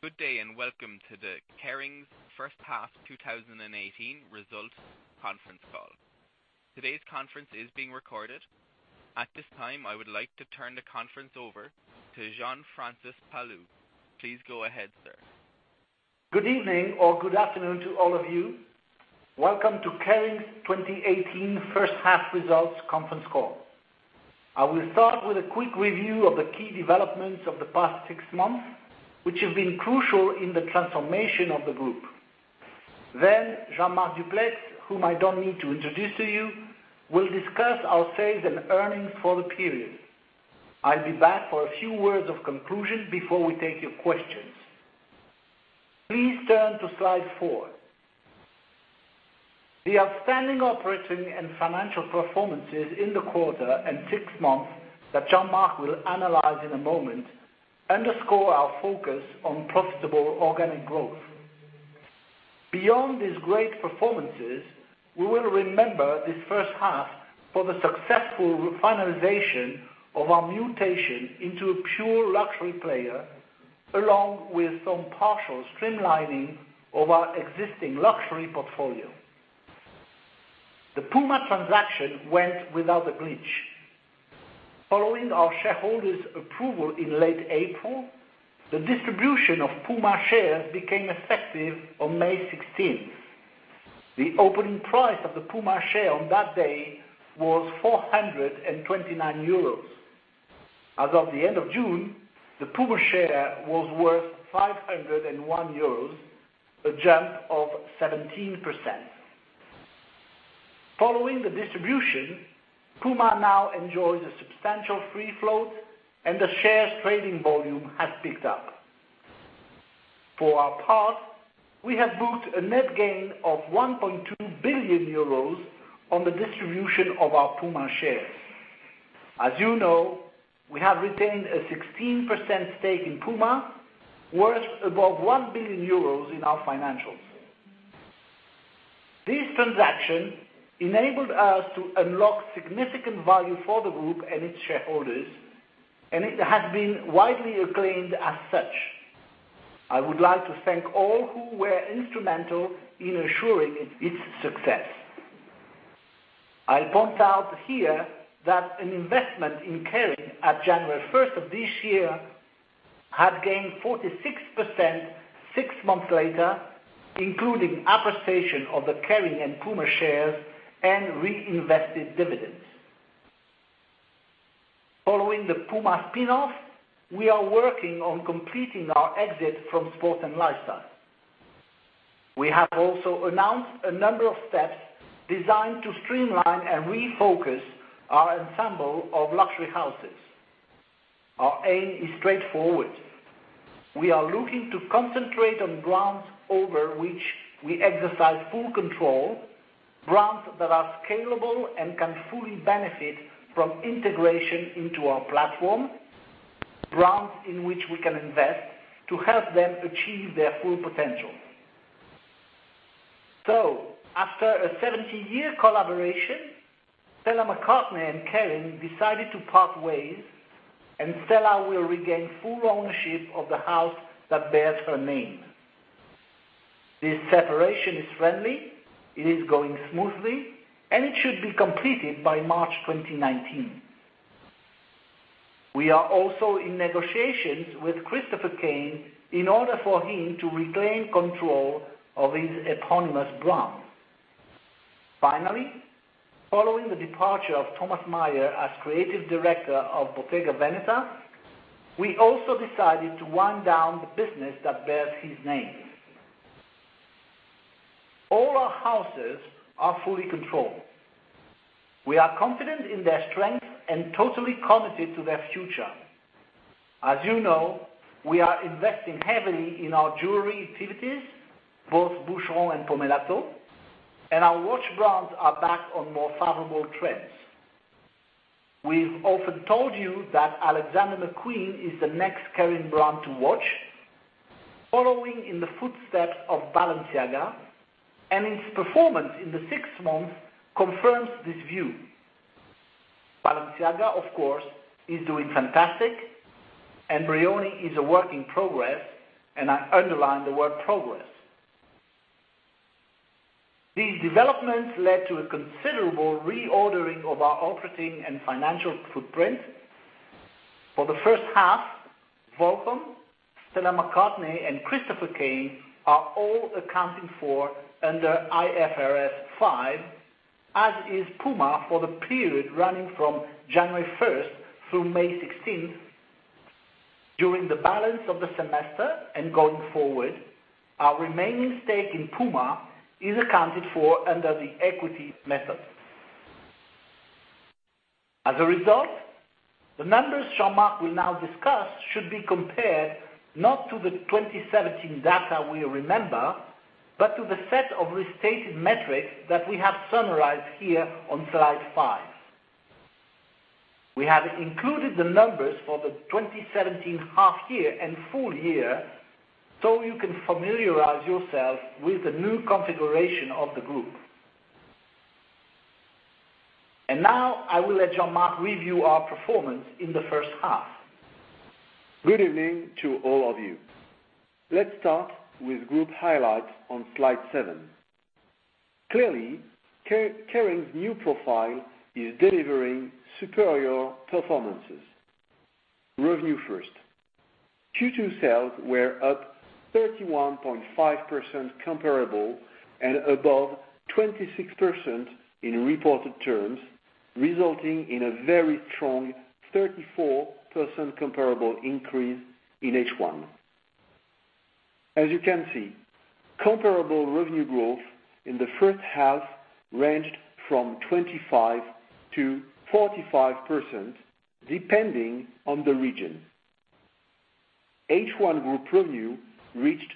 Good day, welcome to the Kering's first half 2018 results conference call. Today's conference is being recorded. At this time, I would like to turn the conference over to Jean-Marc Palus. Please go ahead, sir. Good evening or good afternoon to all of you. Welcome to Kering's 2018 first half results conference call. I will start with a quick review of the key developments of the past six months, which have been crucial in the transformation of the group. Jean-Marc Duplaix, whom I don't need to introduce to you, will discuss our sales and earnings for the period. I'll be back for a few words of conclusion before we take your questions. Please turn to slide four. The outstanding operating and financial performances in the quarter and six months, that Jean-Marc will analyze in a moment, underscore our focus on profitable organic growth. Beyond these great performances, we will remember this first half for the successful finalization of our mutation into a pure luxury player, along with some partial streamlining of our existing luxury portfolio. The Puma transaction went without a glitch. Following our shareholders' approval in late April, the distribution of Puma shares became effective on May 16th. The opening price of the Puma share on that day was 429 euros. As of the end of June, the Puma share was worth EUR 501, a jump of 17%. Following the distribution, Puma now enjoys a substantial free float and the shares trading volume has picked up. For our part, we have booked a net gain of 1.2 billion euros on the distribution of our Puma shares. As you know, we have retained a 16% stake in Puma, worth above 1 billion euros in our financials. It has been widely acclaimed as such. I would like to thank all who were instrumental in assuring its success. I point out here that an investment in Kering at January 1st of this year had gained 46% six months later, including appreciation of the Kering and Puma shares and reinvested dividends. Following the Puma spinoff, we are working on completing our exit from sport and lifestyle. We have also announced a number of steps designed to streamline and refocus our ensemble of luxury houses. Our aim is straightforward. We are looking to concentrate on brands over which we exercise full control, brands that are scalable and can fully benefit from integration into our platform, brands in which we can invest to help them achieve their full potential. After a 17-year collaboration, Stella McCartney and Kering decided to part ways and Stella will regain full ownership of the house that bears her name. This separation is friendly. It is going smoothly, and it should be completed by March 2019. We are also in negotiations with Christopher Kane in order for him to reclaim control of his eponymous brand. Finally, following the departure of Tomas Maier as creative director of Bottega Veneta, we also decided to wind down the business that bears his name. All our houses are fully controlled. We are confident in their strength and totally committed to their future. As you know, we are investing heavily in our jewelry activities, both Boucheron and Pomellato, and our watch brands are back on more favorable trends. We've often told you that Alexander McQueen is the next Kering brand to watch, following in the footsteps of Balenciaga, and its performance in the six months confirms this view. Balenciaga, of course, is doing fantastic, and Brioni is a work in progress, and I underline the word progress. These developments led to a considerable reordering of our operating and financial footprint. For the first half, Volcom, Stella McCartney, and Christopher Kane are all accounted for under IFRS 5, as is Puma for the period running from January 1st through May 16th. During the balance of the semester and going forward, our remaining stake in Puma is accounted for under the equity method. As a result, the numbers Jean-Marc will now discuss should be compared not to the 2017 data we remember, but to the set of restated metrics that we have summarized here on slide five. We have included the numbers for the 2017 half year and full year so you can familiarize yourself with the new configuration of the group. And now I will let Jean-Marc review our performance in the first half. Good evening to all of you. Let's start with group highlights on slide seven. Clearly, Kering's new profile is delivering superior performances. Revenue first. Q2 sales were up 31.5% comparable and above 26% in reported terms, resulting in a very strong 34% comparable increase in H1. As you can see, comparable revenue growth in the first half ranged from 25%-45%, depending on the region. H1 group revenue reached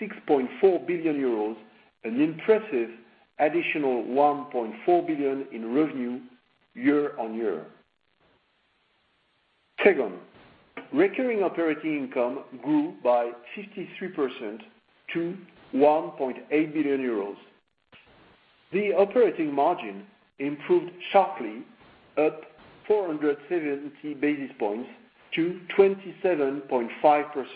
6.4 billion euros, an impressive additional 1.4 billion in revenue year on year. Second, recurring operating income grew by 53% to 1.8 billion euros. The operating margin improved sharply, up 470 basis points to 27.5%,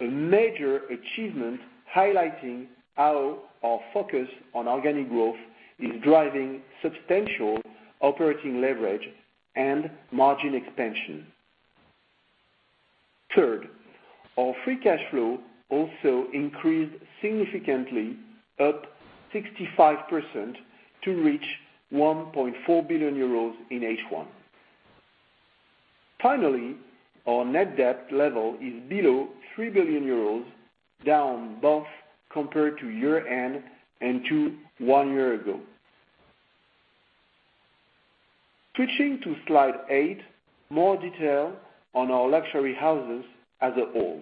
a major achievement highlighting how our focus on organic growth is driving substantial operating leverage and margin expansion. Third, our free cash flow also increased significantly, up 65%, to reach 1.4 billion euros in H1. Finally, our net debt level is below 3 billion euros, down both compared to year-end and to one year ago. Switching to slide eight, more detail on our luxury houses as a whole.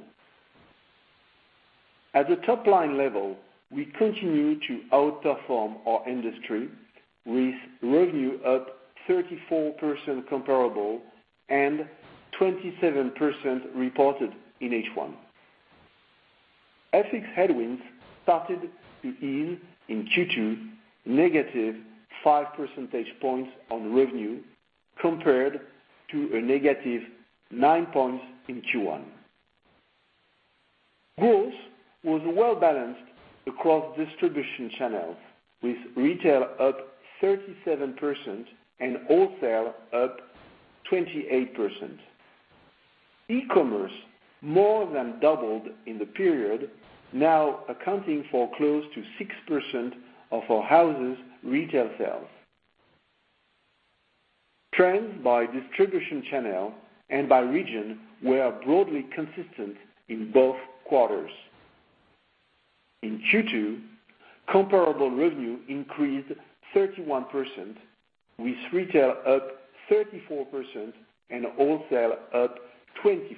At the top-line level, we continue to outperform our industry with revenue up 34% comparable and 27% reported in H1. FX headwinds started to ease in Q2, negative five percentage points on revenue, compared to a negative nine points in Q1. Growth was well-balanced across distribution channels, with retail up 37% and wholesale up 28%. E-commerce more than doubled in the period, now accounting for close to 6% of our houses' retail sales. Trends by distribution channel and by region were broadly consistent in both quarters. In Q2, comparable revenue increased 31%, with retail up 34% and wholesale up 24%.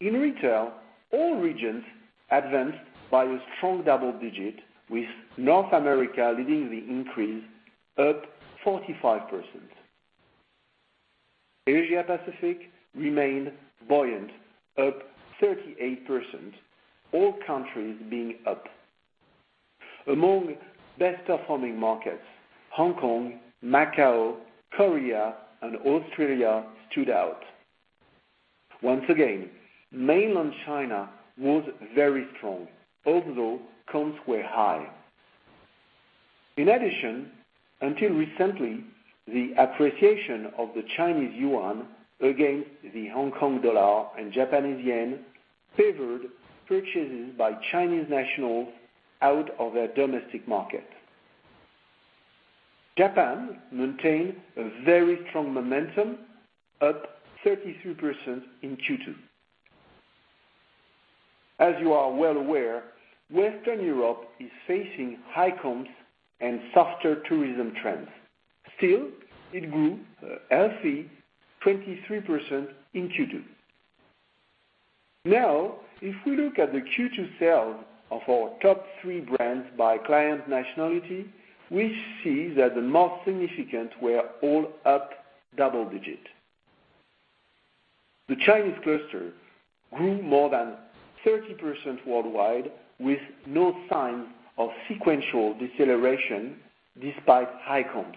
In retail, all regions advanced by a strong double digit, with North America leading the increase, up 45%. Asia-Pacific remained buoyant, up 38%, all countries being up. Among best-performing markets, Hong Kong, Macau, Korea, and Australia stood out. Once again, mainland China was very strong, although comps were high. In addition, until recently, the appreciation of the Chinese yuan against the Hong Kong dollar and Japanese yen favored purchases by Chinese nationals out of their domestic market. Japan maintained a very strong momentum, up 33% in Q2. As you are well aware, Western Europe is facing high comps and softer tourism trends. It grew a healthy 23% in Q2. If we look at the Q2 sales of our top three brands by client nationality, we see that the most significant were all up double digit. The Chinese cluster grew more than 30% worldwide, with no sign of sequential deceleration despite high comps.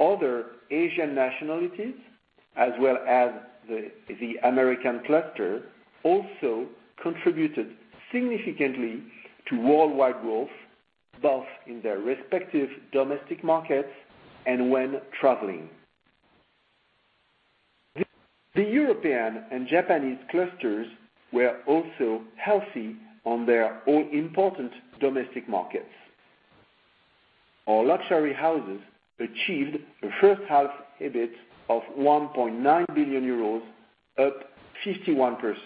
Other Asian nationalities, as well as the American cluster, also contributed significantly to worldwide growth, both in their respective domestic markets and when traveling. The European and Japanese clusters were also healthy on their own important domestic markets. Our luxury houses achieved a first half EBIT of 1.9 billion euros, up 51%.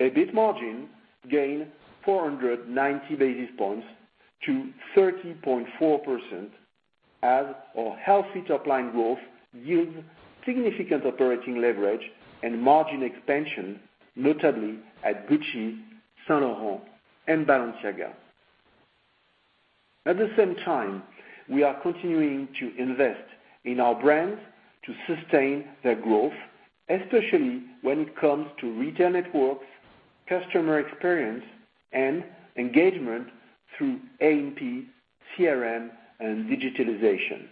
EBIT margin gained 490 basis points to 30.4% as our healthy top-line growth yields significant operating leverage and margin expansion, notably at Gucci, Saint Laurent, and Balenciaga. At the same time, we are continuing to invest in our brands to sustain their growth, especially when it comes to retail networks, customer experience, and engagement through A&P, CRM, and digitalization.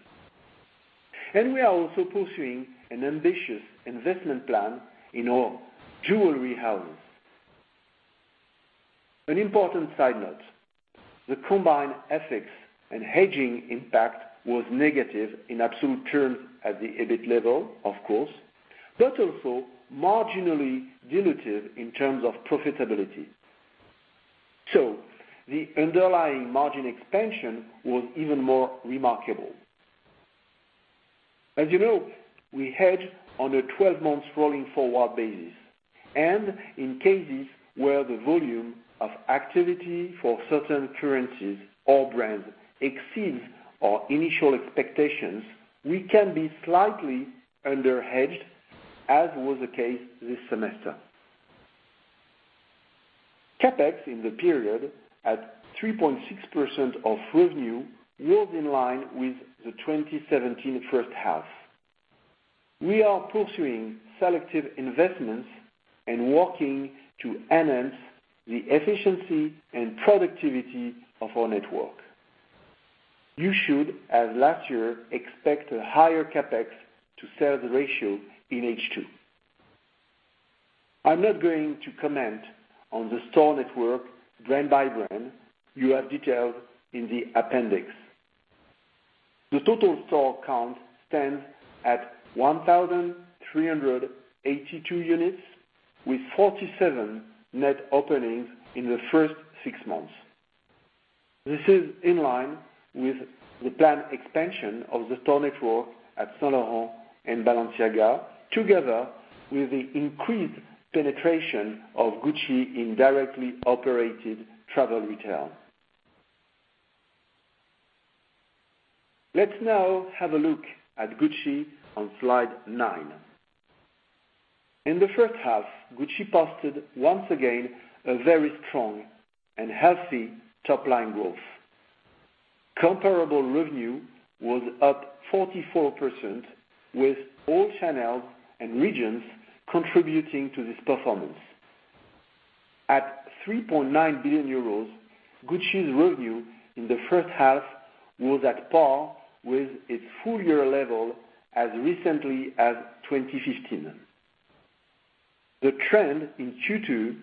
We are also pursuing an ambitious investment plan in our jewelry house. An important side note, the combined FX and hedging impact was negative in absolute terms at the EBIT level, of course, but also marginally dilutive in terms of profitability. The underlying margin expansion was even more remarkable. As you know, we hedge on a 12-month rolling forward basis, and in cases where the volume of activity for certain currencies or brands exceeds our initial expectations, we can be slightly under-hedged, as was the case this semester. CapEx in the period at 3.6% of revenue was in line with the 2017 first half. We are pursuing selective investments and working to enhance the efficiency and productivity of our network. You should, as last year, expect a higher CapEx to sales ratio in H2. I'm not going to comment on the store network brand by brand. You have details in the appendix. The total store count stands at 1,382 units, with 47 net openings in the first six months. This is in line with the planned expansion of the store network at Saint Laurent and Balenciaga, together with the increased penetration of Gucci in directly operated travel retail. Let's now have a look at Gucci on slide nine. In the first half, Gucci posted once again, a very strong and healthy top-line growth. Comparable revenue was up 44%, with all channels and regions contributing to this performance. At 3.9 billion euros, Gucci's revenue in the first half was at par with its full-year level as recently as 2015. The trend in Q2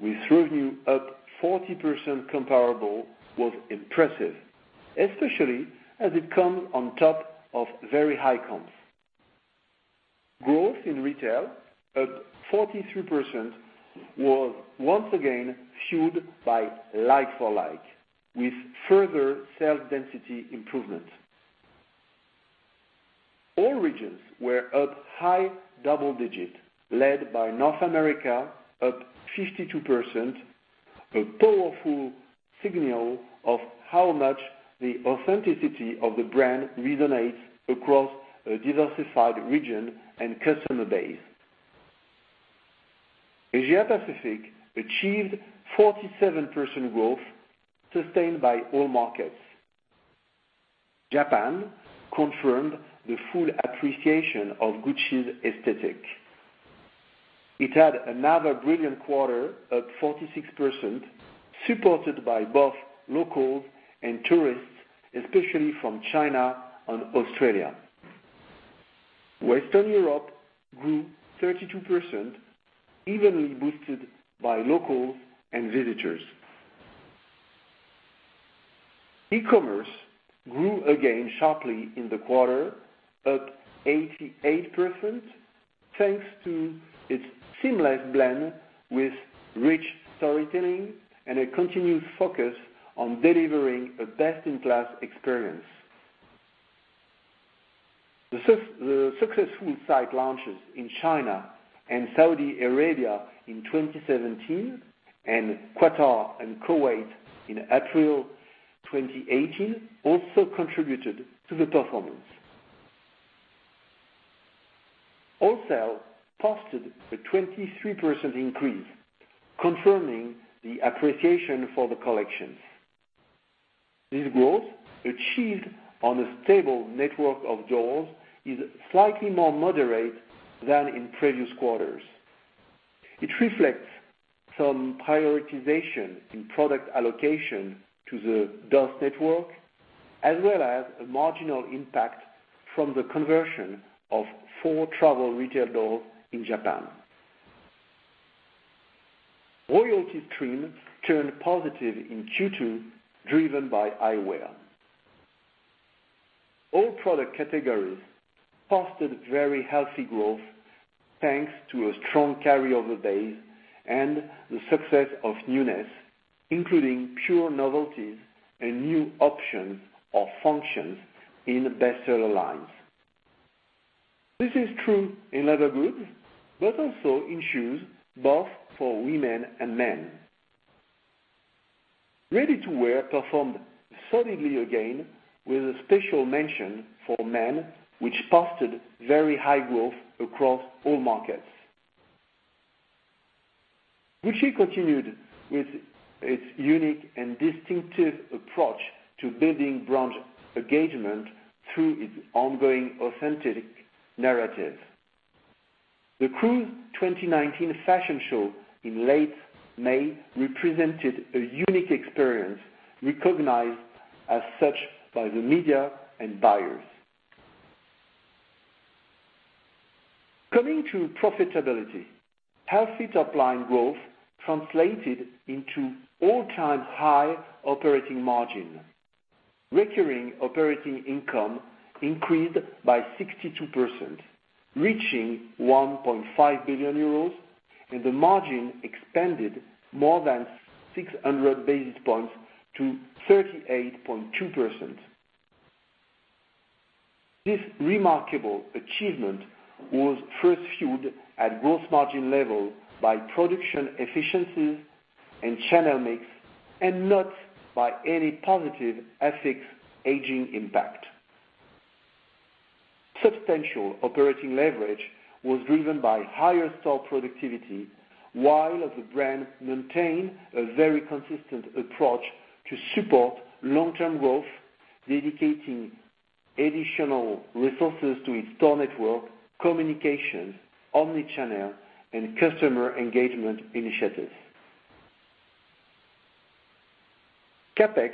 with revenue up 40% comparable was impressive, especially as it comes on top of very high comps. Growth in retail, up 43%, was once again fueled by like-for-like, with further sales density improvement. All regions were up high double digits, led by North America up 52%, a powerful signal of how much the authenticity of the brand resonates across a diversified region and customer base. Asia Pacific achieved 47% growth, sustained by all markets. Japan confirmed the full appreciation of Gucci's aesthetic. It had another brilliant quarter up 46%, supported by both locals and tourists, especially from China and Australia. Western Europe grew 32%, evenly boosted by locals and visitors. E-commerce grew again sharply in the quarter, up 88%, thanks to its seamless blend with rich storytelling and a continued focus on delivering a best-in-class experience. The successful site launches in China and Saudi Arabia in 2017 and Qatar and Kuwait in April 2018 also contributed to the performance. Wholesale posted a 23% increase, confirming the appreciation for the collections. This growth, achieved on a stable network of doors, is slightly more moderate than in previous quarters. It reflects some prioritization in product allocation to the doors network, as well as a marginal impact from the conversion of four travel retail doors in Japan. Royalty stream turned positive in Q2, driven by eyewear. All product categories posted very healthy growth thanks to a strong carryover base and the success of newness, including pure novelties and new options or functions in bestseller lines. This is true in leather goods, but also in shoes, both for women and men. Ready-to-wear performed solidly again with a special mention for men, which posted very high growth across all markets. Gucci continued with its unique and distinctive approach to building brand engagement through its ongoing authentic narrative. The Cruise 2019 fashion show in late May represented a unique experience, recognized as such by the media and buyers. Coming to profitability, healthy top-line growth translated into all-time high operating margin. Recurring operating income increased by 62%, reaching 1.5 billion euros, and the margin expanded more than 600 basis points to 38.2%. This remarkable achievement was first fueled at gross margin level by production efficiencies and channel mix, and not by any positive FX hedging impact. Substantial operating leverage was driven by higher store productivity, while the brand maintained a very consistent approach to support long-term growth, dedicating additional resources to its store network, communications, omnichannel, and customer engagement initiatives. CapEx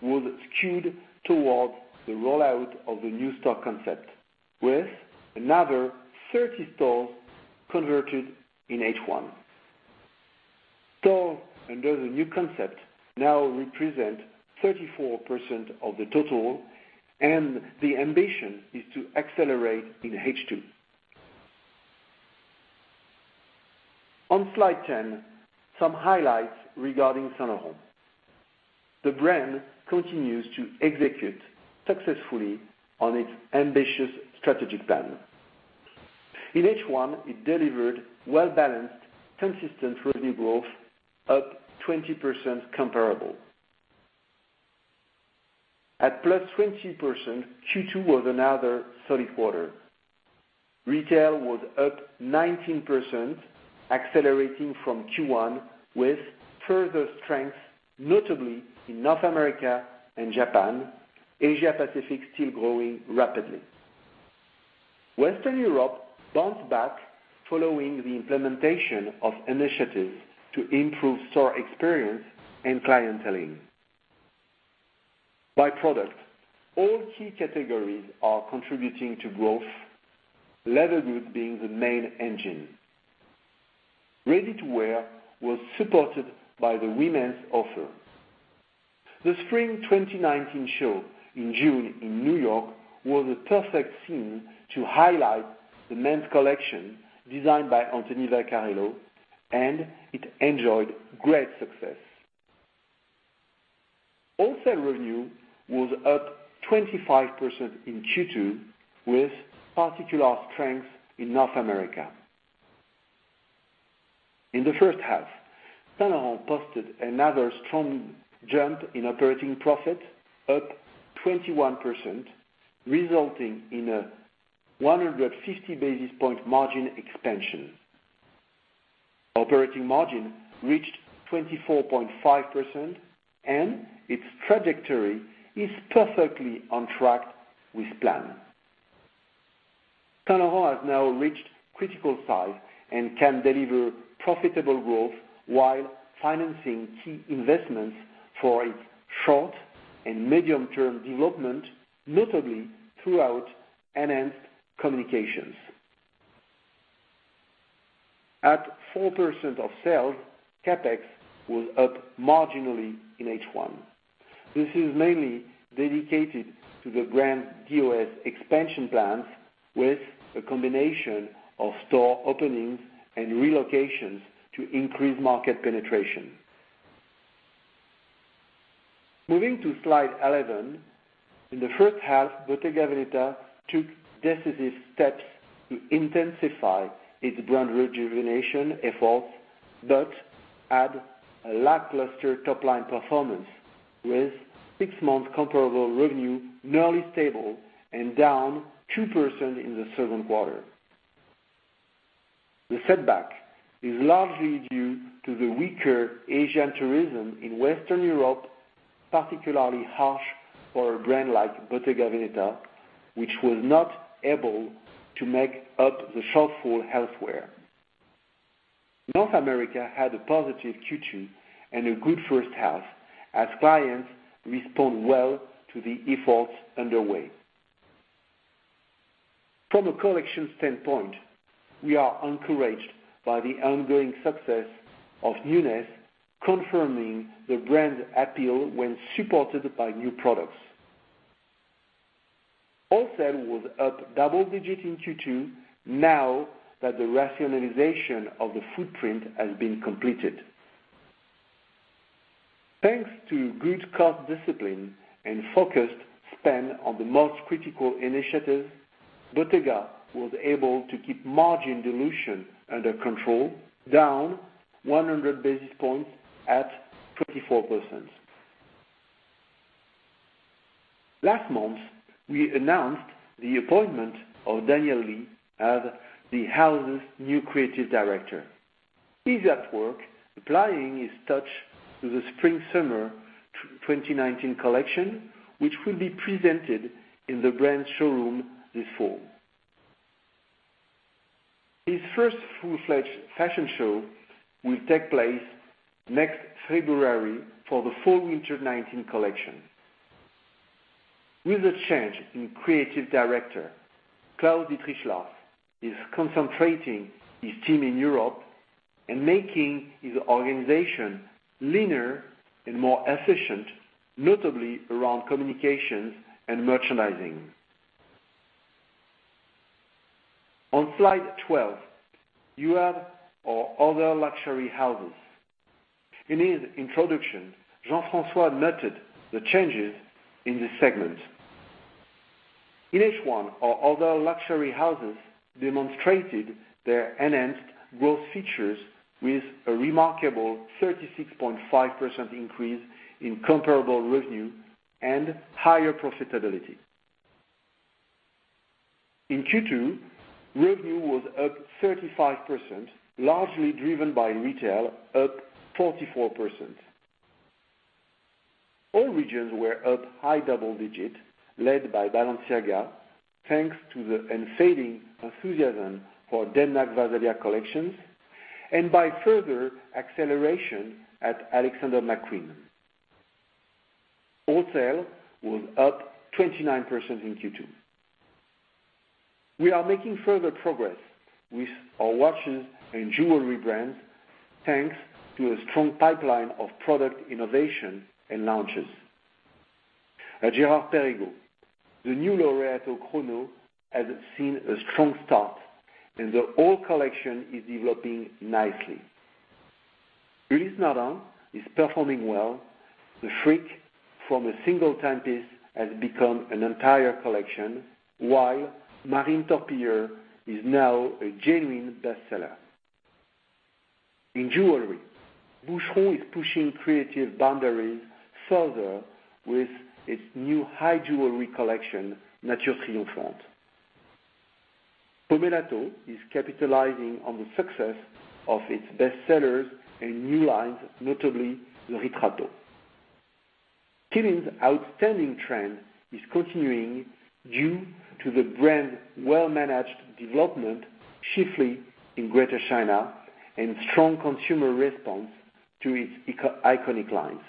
was skewed towards the rollout of the new store concept, with another 30 stores converted in H1. Stores under the new concept now represent 34% of the total, and the ambition is to accelerate in H2. On slide 10, some highlights regarding Saint Laurent. The brand continues to execute successfully on its ambitious strategic plan. In H1, it delivered well-balanced, consistent revenue growth, up 20% comparable. At plus 20%, Q2 was another solid quarter. Retail was up 19%, accelerating from Q1, with further strength, notably in North America and Japan, Asia Pacific still growing rapidly. Western Europe bounced back following the implementation of initiatives to improve store experience and clienteling. By product, all key categories are contributing to growth, leather goods being the main engine. Ready-to-wear was supported by the women's offer. The Spring 2019 show in June in New York was a perfect scene to highlight the men's collection designed by Anthony Vaccarello, and it enjoyed great success. Wholesale revenue was up 25% in Q2, with particular strength in North America. In the first half, Saint Laurent posted another strong jump in operating profit, up 21%, resulting in a 150 basis point margin expansion. Operating margin reached 24.5%, and its trajectory is perfectly on track with plan. Saint Laurent has now reached critical size and can deliver profitable growth while financing key investments for its short- and medium-term development, notably throughout enhanced communications. At 4% of sales, CapEx was up marginally in H1. This is mainly dedicated to the brand DOS expansion plans with a combination of store openings and relocations to increase market penetration. Moving to slide 11. In the first half, Bottega Veneta took decisive steps to intensify its brand rejuvenation efforts, but had a lackluster top-line performance, with six-month comparable revenue nearly stable and down 2% in the second quarter. The setback is largely due to the weaker Asian tourism in Western Europe, particularly harsh for a brand like Bottega Veneta, which was not able to make up the shortfall elsewhere. North America had a positive Q2 and a good first half as clients respond well to the efforts underway. From a collection standpoint, we are encouraged by the ongoing success of newness, confirming the brand's appeal when supported by new products. Wholesale was up double digits in Q2 now that the rationalization of the footprint has been completed. Thanks to good cost discipline and focused spend on the most critical initiatives, Bottega was able to keep margin dilution under control, down 100 basis points at 24%. Last month, we announced the appointment of Daniel Lee as the house's new creative director. He's at work applying his touch to the spring-summer 2019 collection, which will be presented in the brand showroom this fall. His first full-fledged fashion show will take place next February for the fall-winter 2019 collection. With a change in creative director, Claus-Dietrich Lahrs is concentrating his team in Europe and making his organization leaner and more efficient, notably around communications and merchandising. On slide 12, you have our other luxury houses. In his introduction, Jean-François noted the changes in this segment. In H1, our other luxury houses demonstrated their enhanced growth features with a remarkable 36.5% increase in comparable revenue and higher profitability. In Q2, revenue was up 35%, largely driven by retail up 44%. All regions were up high double digits, led by Balenciaga, thanks to the unfading enthusiasm for Demna Gvasalia collections, and by further acceleration at Alexander McQueen. Wholesale was up 29% in Q2. We are making further progress with our watches and jewelry brands, thanks to a strong pipeline of product innovation and launches. At Girard-Perregaux, the new Laureato Chronograph has seen a strong start, and the whole collection is developing nicely. Ulysse Nardin is performing well. The Freak, from a single timepiece, has become an entire collection, while Marine Torpilleur is now a genuine bestseller. In jewelry, Boucheron is pushing creative boundaries further with its new high jewelry collection, Nature Triomphante. Pomellato is capitalizing on the success of its bestsellers and new lines, notably the Ritratto. Qeelin's outstanding trend is continuing due to the brand's well-managed development, chiefly in Greater China, and strong consumer response to its iconic lines.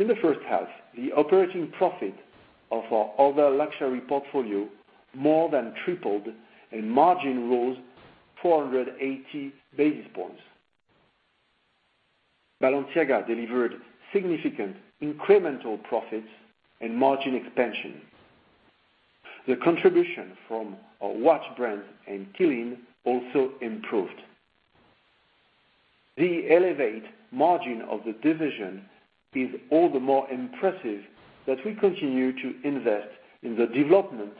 In the first half, the operating profit of our other luxury portfolio more than tripled, and margin rose 480 basis points. Balenciaga delivered significant incremental profits and margin expansion. The contribution from our watch brand and Qeelin also improved. The elevated margin of the division is all the more impressive that we continue to invest in the development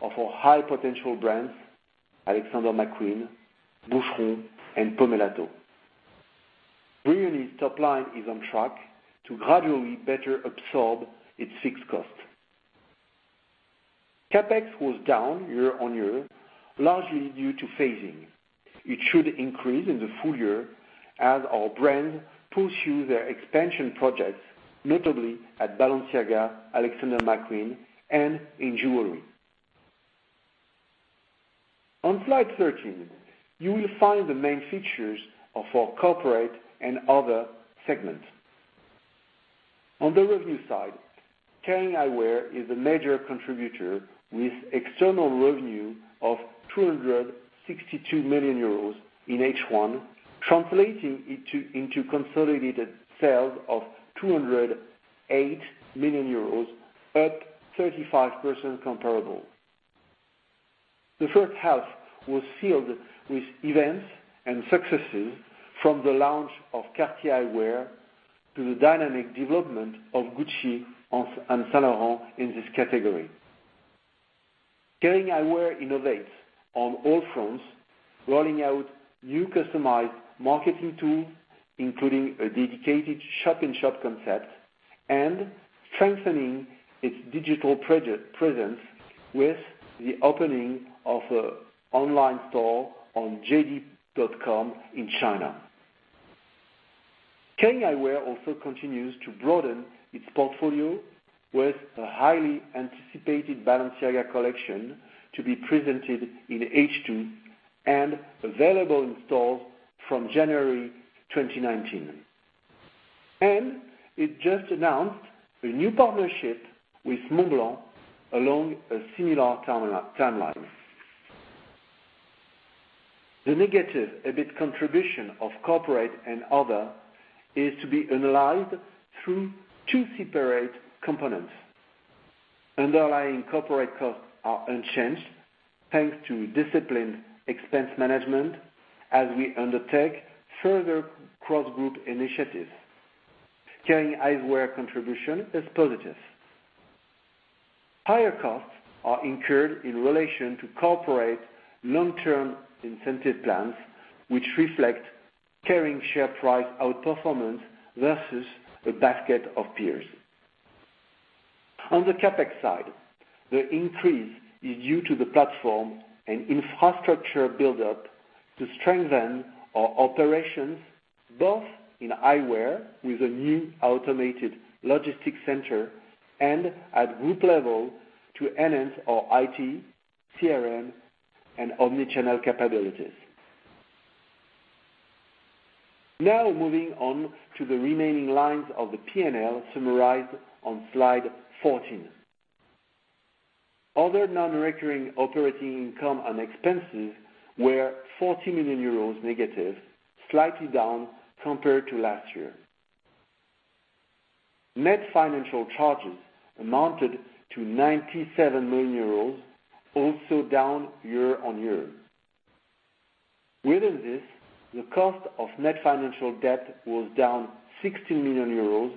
of our high-potential brands, Alexander McQueen, Boucheron, and Pomellato. Brioni's top line is on track to gradually better absorb its fixed costs. CapEx was down year-over-year, largely due to phasing. It should increase in the full year as our brands pursue their expansion projects, notably at Balenciaga, Alexander McQueen, and in jewelry. On slide 13, you will find the main features of our corporate and other segments. On the revenue side, Kering Eyewear is a major contributor, with external revenue of 262 million euros in H1, translating into consolidated sales of 208 million euros, up 35% comparable. The first half was filled with events and successes, from the launch of Cartier Eyewear to the dynamic development of Gucci and Saint Laurent in this category. Kering Eyewear innovates on all fronts, rolling out new customized marketing tools, including a dedicated shop-in-shop concept, and strengthening its digital presence with the opening of an online store on jd.com in China. Kering Eyewear also continues to broaden its portfolio with a highly anticipated Balenciaga collection to be presented in H2 and available in stores from January 2019. It just announced a new partnership with Montblanc along a similar timeline. The negative EBIT contribution of corporate and other is to be analyzed through two separate components. Underlying corporate costs are unchanged thanks to disciplined expense management as we undertake further cross-group initiatives. Kering Eyewear contribution is positive. Higher costs are incurred in relation to corporate long-term incentive plans, which reflect Kering share price outperformance versus a basket of peers. On the CapEx side, the increase is due to the platform and infrastructure build-up to strengthen our operations, both in eyewear with a new automated logistics center and at group level to enhance our IT, CRM, and omni-channel capabilities. Moving on to the remaining lines of the P&L summarized on slide 14. Other non-recurring operating income and expenses were 40 million euros negative, slightly down compared to last year. Net financial charges amounted to 97 million euros, also down year-over-year. Within this, the cost of net financial debt was down 16 million euros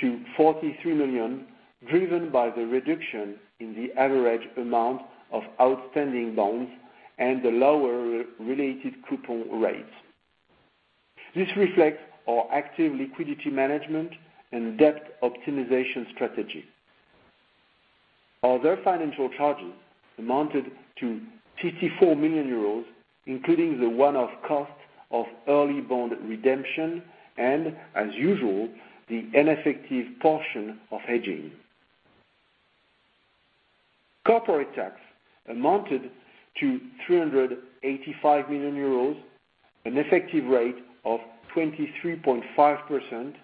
to 43 million, driven by the reduction in the average amount of outstanding bonds and the lower related coupon rates. This reflects our active liquidity management and debt optimization strategy. Other financial charges amounted to 54 million euros, including the one-off cost of early bond redemption and, as usual, the ineffective portion of hedging. Corporate tax amounted to 385 million euros, an effective rate of 23.5%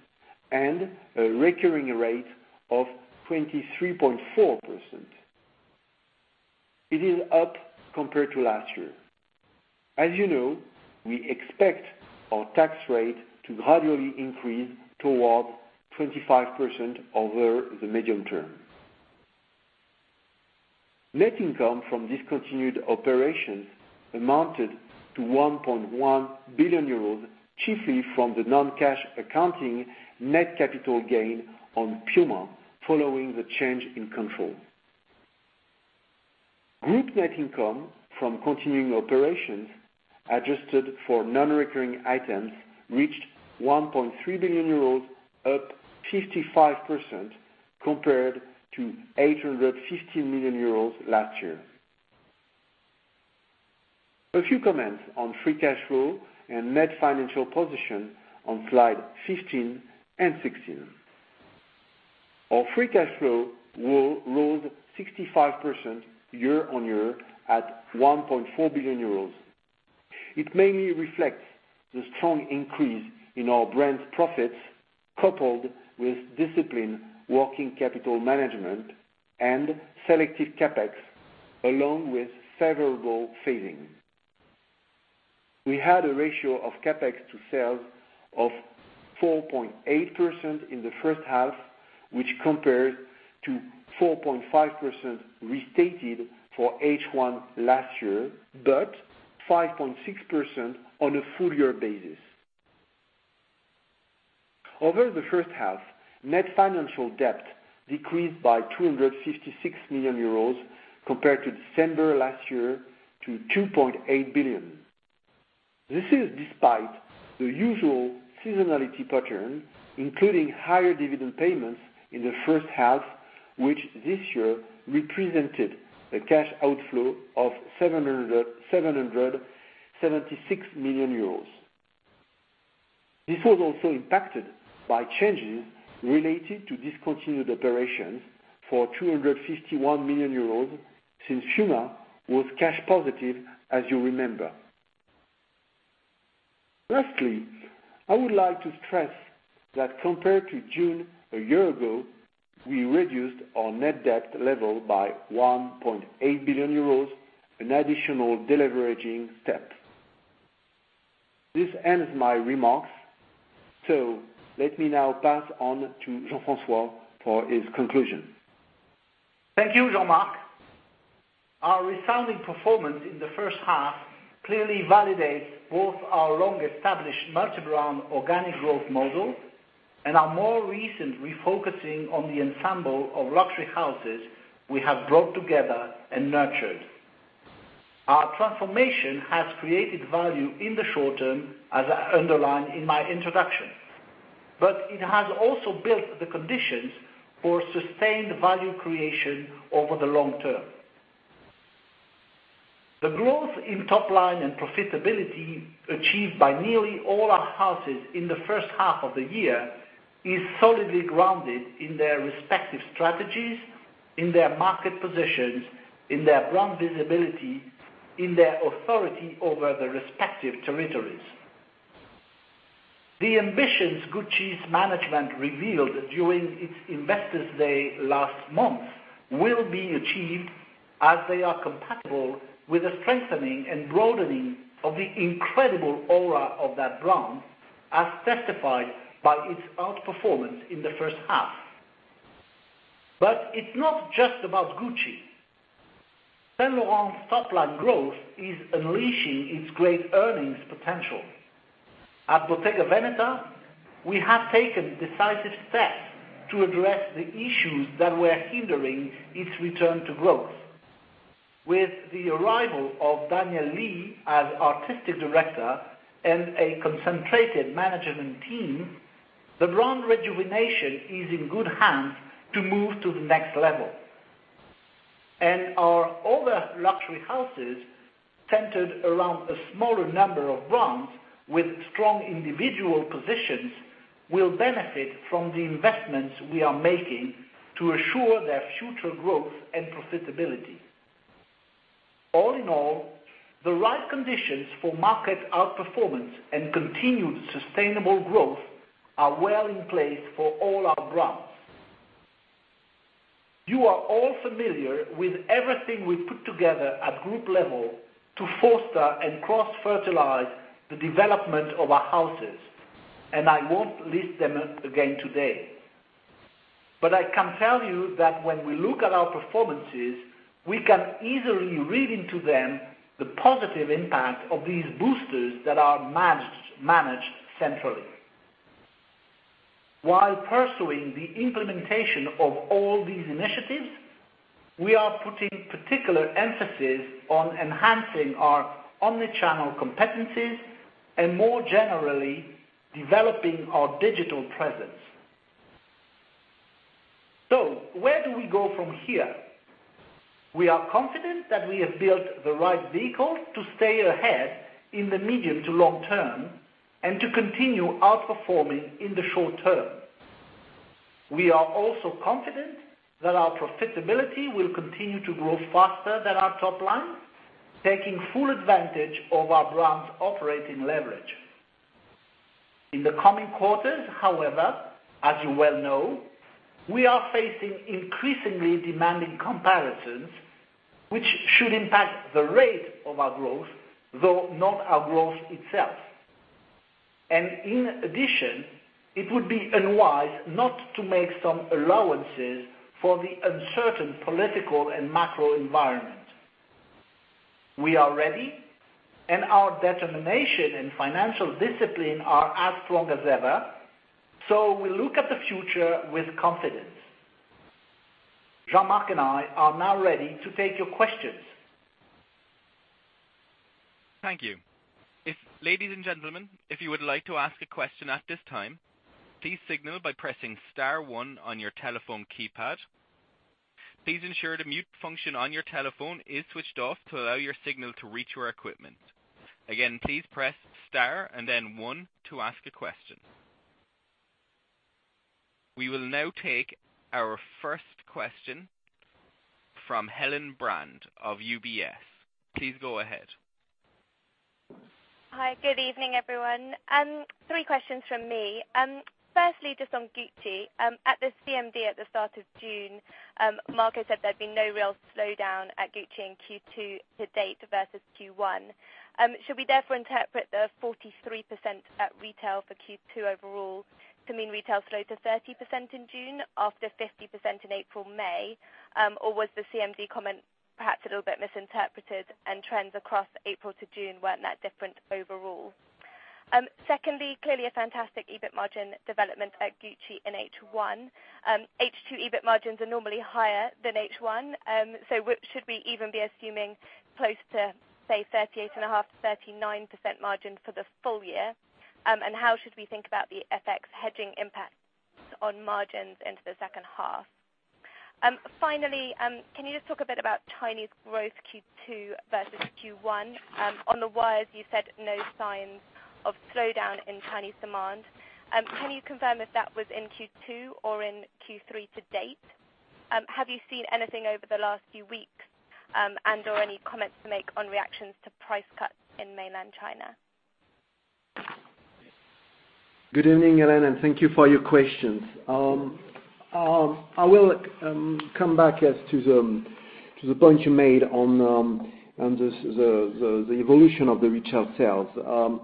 and a recurring rate of 23.4%. It is up compared to last year. As you know, we expect our tax rate to gradually increase towards 25% over the medium term. Net income from discontinued operations amounted to 1.1 billion euros, chiefly from the non-cash accounting net capital gain on Puma following the change in control. Group net income from continuing operations, adjusted for non-recurring items, reached 1.3 billion euros, up 55% compared to 815 million euros last year. A few comments on free cash flow and net financial position on slide 15 and 16. Our free cash flow rose 65% year-on-year at 1.4 billion euros. It mainly reflects the strong increase in our brand's profits, coupled with disciplined working capital management and selective CapEx, along with favorable phasing. We had a ratio of CapEx to sales of 4.8% in the first half, which compares to 4.5% restated for H1 last year, but 5.6% on a full year basis. Over the first half, net financial debt decreased by 256 million euros compared to December last year to 2.8 billion. This is despite the usual seasonality pattern, including higher dividend payments in the first half, which this year represented a cash outflow of 776 million euros. This was also impacted by changes related to discontinued operations for 251 million euros, since Puma was cash positive, as you remember. Lastly, I would like to stress that compared to June a year ago, we reduced our net debt level by 1.8 billion euros, an additional deleveraging step. This ends my remarks. Let me now pass on to Jean-François for his conclusion. Thank you, Jean-Marc Duplaix. Our resounding performance in the first half clearly validates both our long-established multi-brand organic growth model and our more recent refocusing on the ensemble of luxury houses we have brought together and nurtured. Our transformation has created value in the short term, as I underlined in my introduction, but it has also built the conditions for sustained value creation over the long term. The growth in top-line and profitability achieved by nearly all our houses in the first half of the year is solidly grounded in their respective strategies, in their market positions, in their brand visibility, in their authority over their respective territories. The ambitions Gucci's management revealed during its Investors Day last month will be achieved, as they are compatible with the strengthening and broadening of the incredible aura of that brand, as testified by its outperformance in the first half. It's not just about Gucci. Saint Laurent's top-line growth is unleashing its great earnings potential. At Bottega Veneta, we have taken decisive steps to address the issues that were hindering its return to growth. With the arrival of Daniel Lee as artistic director and a concentrated management team, the brand rejuvenation is in good hands to move to the next level. Our other luxury houses, centered around a smaller number of brands with strong individual positions, will benefit from the investments we are making to assure their future growth and profitability. All in all, the right conditions for market outperformance and continued sustainable growth are well in place for all our brands. You are all familiar with everything we put together at group level to foster and cross-fertilize the development of our houses, and I won't list them again today. I can tell you that when we look at our performances, we can easily read into them the positive impact of these boosters that are managed centrally. While pursuing the implementation of all these initiatives, we are putting particular emphasis on enhancing our omni-channel competencies, and more generally, developing our digital presence. Where do we go from here? We are confident that we have built the right vehicle to stay ahead in the medium to long term, and to continue outperforming in the short term. We are also confident that our profitability will continue to grow faster than our top line, taking full advantage of our brand's operating leverage. In the coming quarters, however, as you well know, we are facing increasingly demanding comparisons, which should impact the rate of our growth, though not our growth itself. In addition, it would be unwise not to make some allowances for the uncertain political and macro environment. We are ready, and our determination and financial discipline are as strong as ever, we look at the future with confidence. Jean Marc and I are now ready to take your questions. Thank you. Ladies and gentlemen, if you would like to ask a question at this time, please signal by pressing star one on your telephone keypad. Please ensure the mute function on your telephone is switched off to allow your signal to reach our equipment. Again, please press star and then one to ask a question. We will now take our first question from Helen Brand of UBS. Please go ahead. Hi, good evening, everyone. Three questions from me. Firstly, just on Gucci. At the CMD at the start of June, Marco said there'd been no real slowdown at Gucci in Q2 to date versus Q1. Should we therefore interpret the 43% at retail for Q2 overall to mean retail slowed to 30% in June after 50% in April, May? Or was the CMD comment perhaps a little bit misinterpreted and trends across April to June weren't that different overall? Secondly, clearly a fantastic EBIT margin development at Gucci in H1. H2 EBIT margins are normally higher than H1, should we even be assuming close to, say, 38.5%-39% margins for the full year? And how should we think about the FX hedging impacts on margins into the second half? Finally, can you just talk a bit about Chinese growth Q2 versus Q1? On the wires, you said no signs of slowdown in Chinese demand. Can you confirm if that was in Q2 or in Q3 to date? Have you seen anything over the last few weeks? Or any comments to make on reactions to price cuts in mainland China? Good evening, Helen, and thank you for your questions. I will come back as to the point you made on the evolution of the retail sales.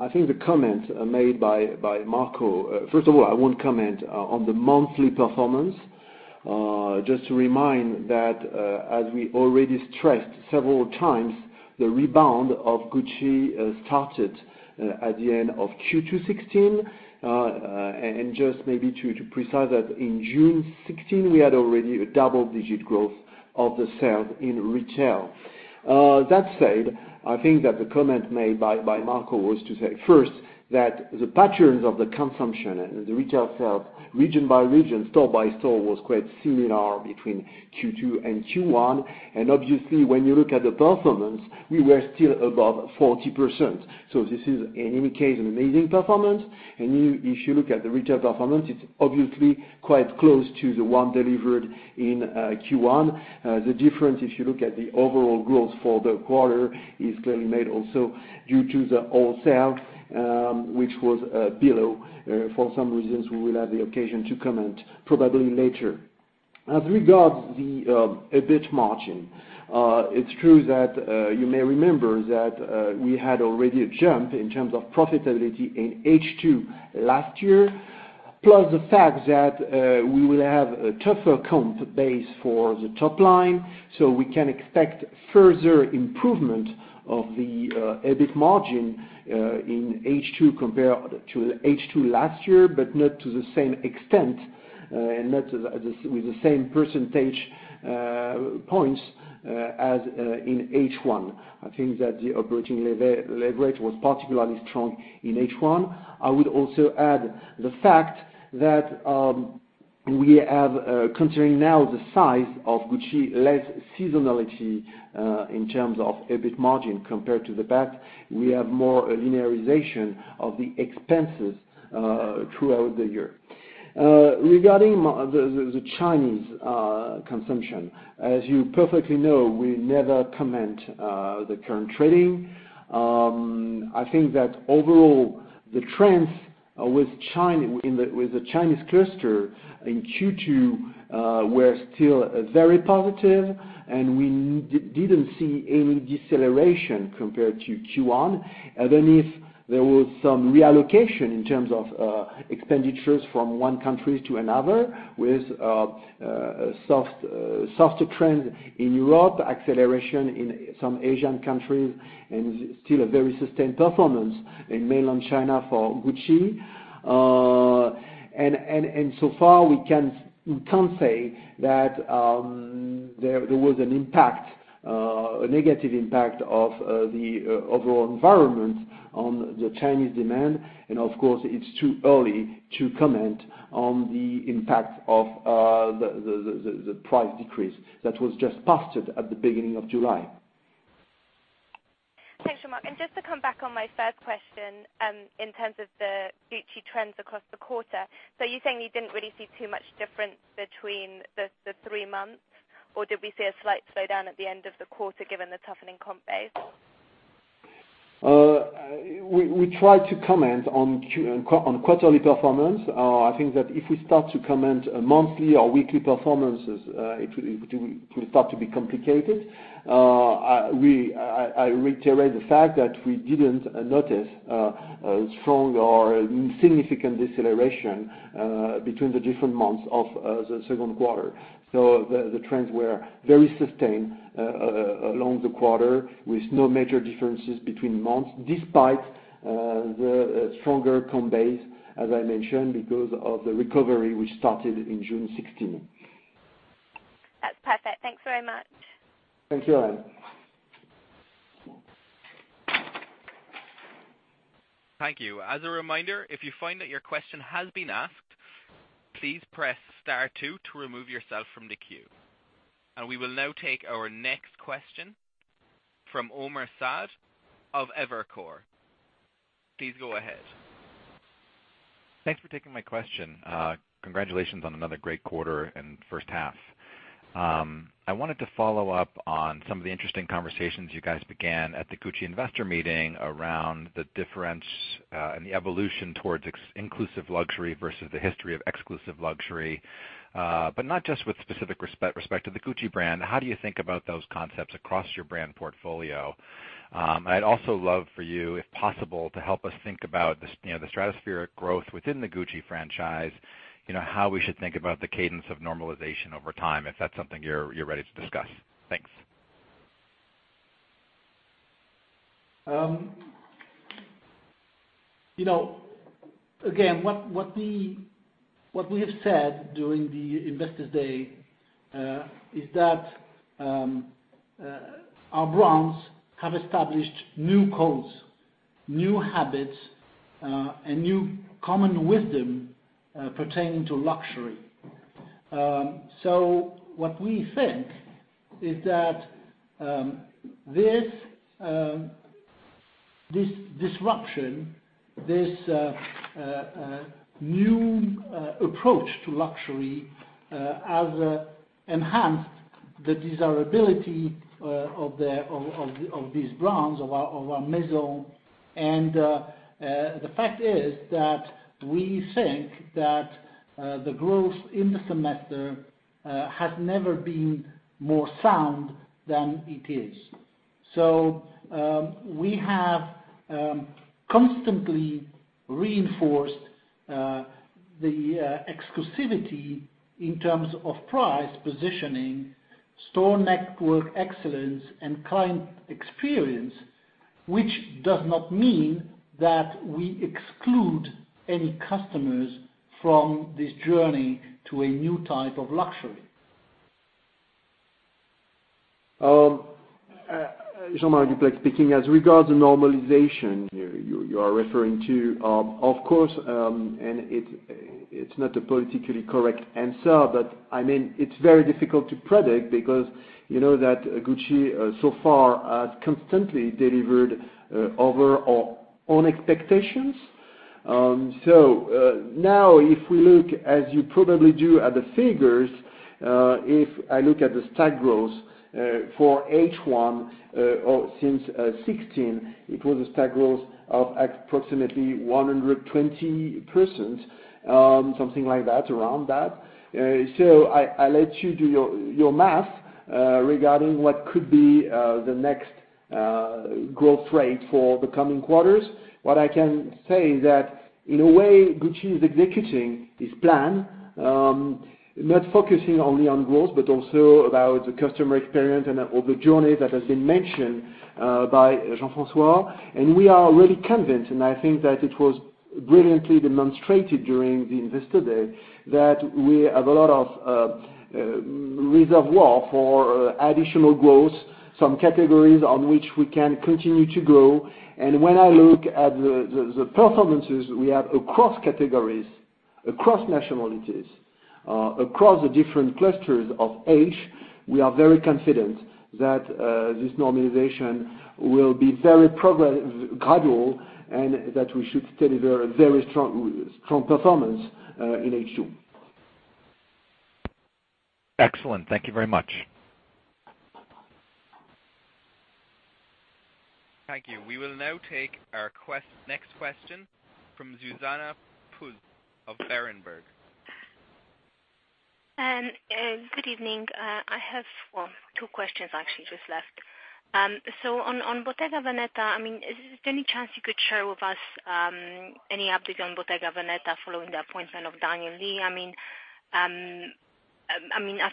I think the comment made by Marco. First of all, I won't comment on the monthly performance. Just to remind that, as we already stressed several times, the rebound of Gucci started at the end of Q2 2016. Just maybe to precise that in June 2016, we had already a double-digit growth of the sales in retail. That said, I think that the comment made by Marco was to say, first, that the patterns of the consumption and the retail sales region by region, store by store, was quite similar between Q2 and Q1. Obviously, when you look at the performance, we were still above 40%. This is, in any case, an amazing performance. If you look at the retail performance, it's obviously quite close to the one delivered in Q1. The difference, if you look at the overall growth for the quarter, is clearly made also due to the wholesale, which was below. For some reasons, we will have the occasion to comment probably later. As regards the EBIT margin, it's true that you may remember that we had already a jump in terms of profitability in H2 2016. Plus the fact that we will have a tougher comp base for the top line, we can expect further improvement of the EBIT margin in H2 compared to H2 2016, but not to the same extent and not with the same percentage points as in H1. I think that the operating leverage was particularly strong in H1. I would also add the fact that we have, considering now the size of Gucci, less seasonality in terms of EBIT margin compared to the back. We have more linearization of the expenses throughout the year. Regarding the Chinese consumption, as you perfectly know, we never comment on the current trading. I think that overall, the trends with the Chinese cluster in Q2 were still very positive, we didn't see any deceleration compared to Q1. Even if there was some reallocation in terms of expenditures from one country to another, with softer trends in Europe, acceleration in some Asian countries, and still a very sustained performance in mainland China for Gucci. So far, we can't say that there was a negative impact of the overall environment on the Chinese demand. Of course, it's too early to comment on the impact of the price decrease that was just passed at the beginning of July. Thanks, Jean-Marc. Just to come back on my first question, in terms of the Gucci trends across the quarter. You're saying you didn't really see too much difference between the three months, or did we see a slight slowdown at the end of the quarter given the toughening comp base? We try to comment on quarterly performance. I think that if we start to comment on monthly or weekly performances, it will start to be complicated. I reiterate the fact that we didn't notice a strong or significant deceleration between the different months of the second quarter. The trends were very sustained along the quarter, with no major differences between months, despite the stronger comp base, as I mentioned, because of the recovery which started in June 2016. That's perfect. Thanks very much. Thank you, Helen. Thank you. As a reminder, if you find that your question has been asked, please press star two to remove yourself from the queue. We will now take our next question from Omar Saad of Evercore. Please go ahead. Thanks for taking my question. Congratulations on another great quarter and first half. I wanted to follow up on some of the interesting conversations you guys began at the Gucci investor meeting around the difference and the evolution towards inclusive luxury versus the history of exclusive luxury. Not just with specific respect to the Gucci brand, how do you think about those concepts across your brand portfolio? I'd also love for you, if possible, to help us think about the stratospheric growth within the Gucci franchise, how we should think about the cadence of normalization over time, if that's something you're ready to discuss. Thanks. Again, what we have said during the investor day is that our brands have established new codes, new habits, and new common wisdom pertaining to luxury. What we think is that this disruption, this new approach to luxury, has enhanced the desirability of these brands, of our maison. The fact is that we think that the growth in the semester has never been more sound than it is. We have constantly reinforced the exclusivity in terms of price positioning, store network excellence, and client experience, which does not mean that we exclude any customers from this journey to a new type of luxury. Jean-Marc Duplaix speaking. Regarding normalization, you are referring to, of course, and it's not a politically correct answer, but it's very difficult to predict because you know that Gucci so far has constantly delivered over our own expectations. Now, if we look, as you probably do at the figures, if I look at the stack growth for H1 or since 2016, it was a stack growth of approximately 120%, something like that, around that. I let you do your math regarding what could be the next growth rate for the coming quarters. I can say that, in a way, Gucci is executing this plan, not focusing only on growth, but also about the customer experience and/or the journey that has been mentioned by Jean-François. We are really convinced, and I think that it was brilliantly demonstrated during the investor day, that we have a lot of reservoir for additional growth, some categories on which we can continue to grow. When I look at the performances we have across categories, across nationalities, across the different clusters of age, we are very confident that this normalization will be very gradual and that we should deliver very strong performance in H2. Excellent. Thank you very much. Thank you. We will now take our next question from Zuzanna Pusz of Berenberg. Good evening. I have two questions actually just left. On Bottega Veneta, is there any chance you could share with us any update on Bottega Veneta following the appointment of Daniel Lee? I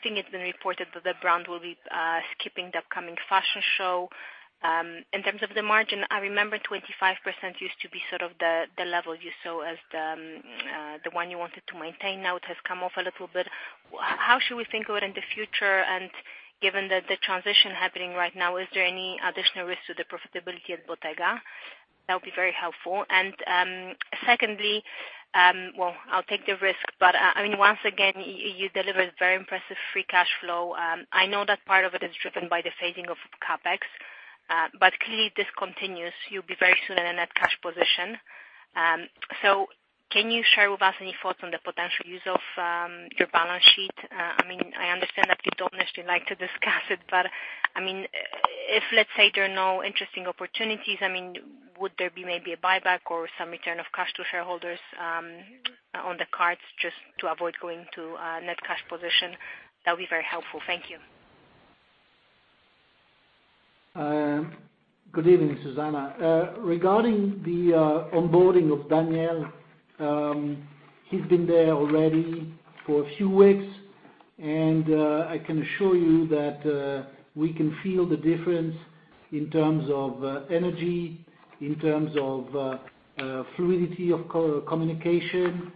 think it's been reported that the brand will be skipping the upcoming fashion show. In terms of the margin, I remember 25% used to be sort of the level you saw as the one you wanted to maintain, now it has come off a little bit. How should we think of it in the future? Given that the transition happening right now, is there any additional risk to the profitability at Bottega? That would be very helpful. Secondly, I'll take the risk, but once again, you delivered very impressive free cash flow. I know that part of it is driven by the phasing of CapEx, but clearly this continues. You'll be very soon in a net cash position. Can you share with us any thoughts on the potential use of your balance sheet? I understand that you don't necessarily like to discuss it, but if let's say there are no interesting opportunities, would there be maybe a buyback or some return of cash to shareholders on the cards just to avoid going to a net cash position? That would be very helpful. Thank you. Good evening, Zuzanna. Regarding the onboarding of Daniel, he's been there already for a few weeks, and I can assure you that we can feel the difference in terms of energy, in terms of fluidity of communication,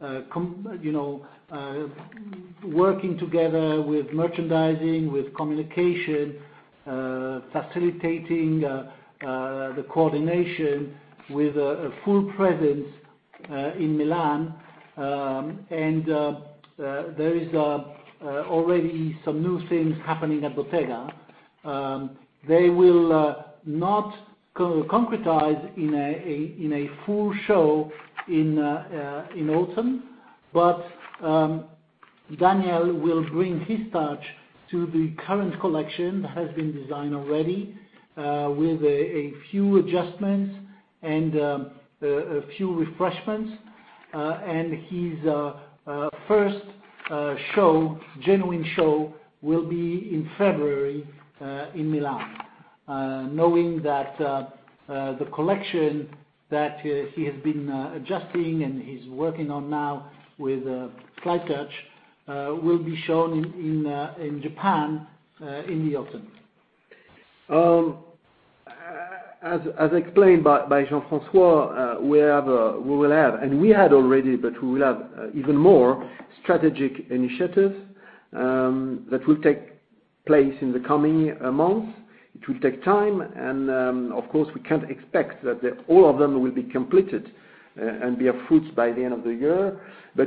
in terms of working together with merchandising, with communication, facilitating the coordination with a full presence in Milan. There is already some new things happening at Bottega. They will not concretize in a full show in autumn. Daniel will bring his touch to the current collection that has been designed already with a few adjustments and a few refreshments. His first genuine show will be in February in Milan. Knowing that the collection that he has been adjusting and he's working on now with a slight touch will be shown in Japan in the autumn. As explained by Jean-François, we will have, and we had already, but we will have even more strategic initiatives that will take place in the coming months. It will take time, and of course, we can't expect that all of them will be completed and bear fruits by the end of the year.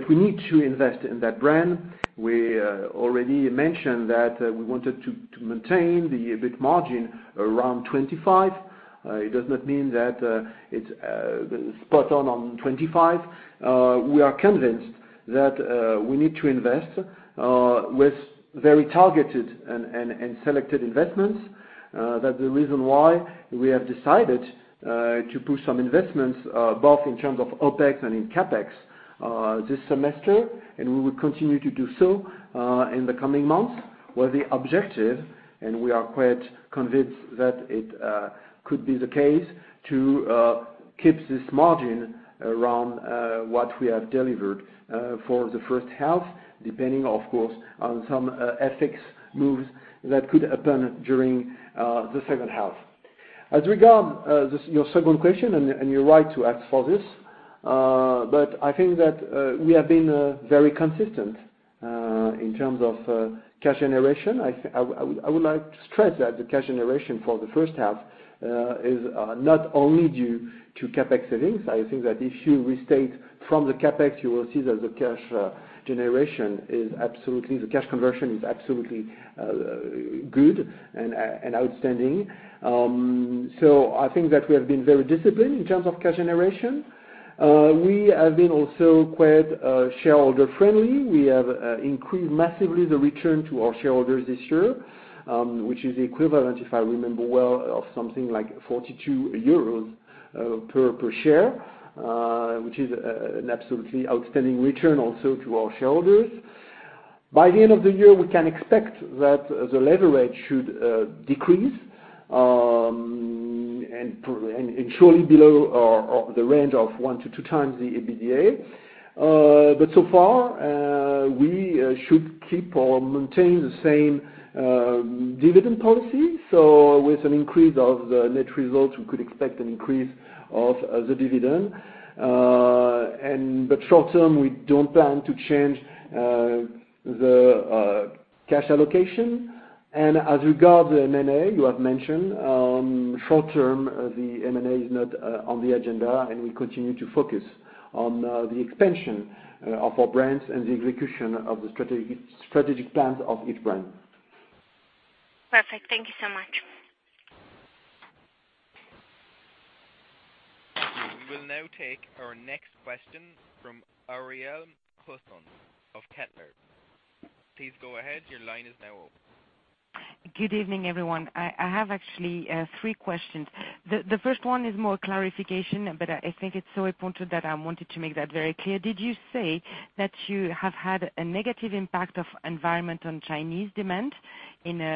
We need to invest in that brand. We already mentioned that we wanted to maintain the EBIT margin around 25%. It does not mean that it's spot on on 25%. We are convinced that we need to invest with very targeted and selected investments. The reason why we have decided to push some investments both in terms of OpEx and in CapEx this semester, and we will continue to do so in the coming months, where the objective, and we are quite convinced that it could be the case, to keep this margin around what we have delivered for the first half, depending, of course, on some FX moves that could happen during the second half. As regard your second question, and you're right to ask for this, but I think that we have been very consistent in terms of cash generation. I would like to stress that the cash generation for the first half is not only due to CapEx savings. I think that if you restate from the CapEx, you will see that the cash conversion is absolutely good and outstanding. I think that we have been very disciplined in terms of cash generation. We have been also quite shareholder-friendly. We have increased massively the return to our shareholders this year, which is equivalent, if I remember well, of something like 42 euros per share, which is an absolutely outstanding return also to our shareholders. By the end of the year, we can expect that the leverage should decrease, and surely below the range of one to two times the EBITDA. So far, we should keep or maintain the same dividend policy. With an increase of the net results, we could expect an increase of the dividend. Short-term, we don't plan to change the cash allocation. As regard the M&A you have mentioned, short-term, the M&A is not on the agenda. We continue to focus on the expansion of our brands and the execution of the strategic plans of each brand. Perfect. Thank you so much. We will now take our next question from Aurélie Husson of Kepler Cheuvreux. Please go ahead. Your line is now open. Good evening, everyone. I have actually three questions. The first one is more clarification, but I think it's so important that I wanted to make that very clear. Did you say that you have had a negative impact of environment on Chinese demand as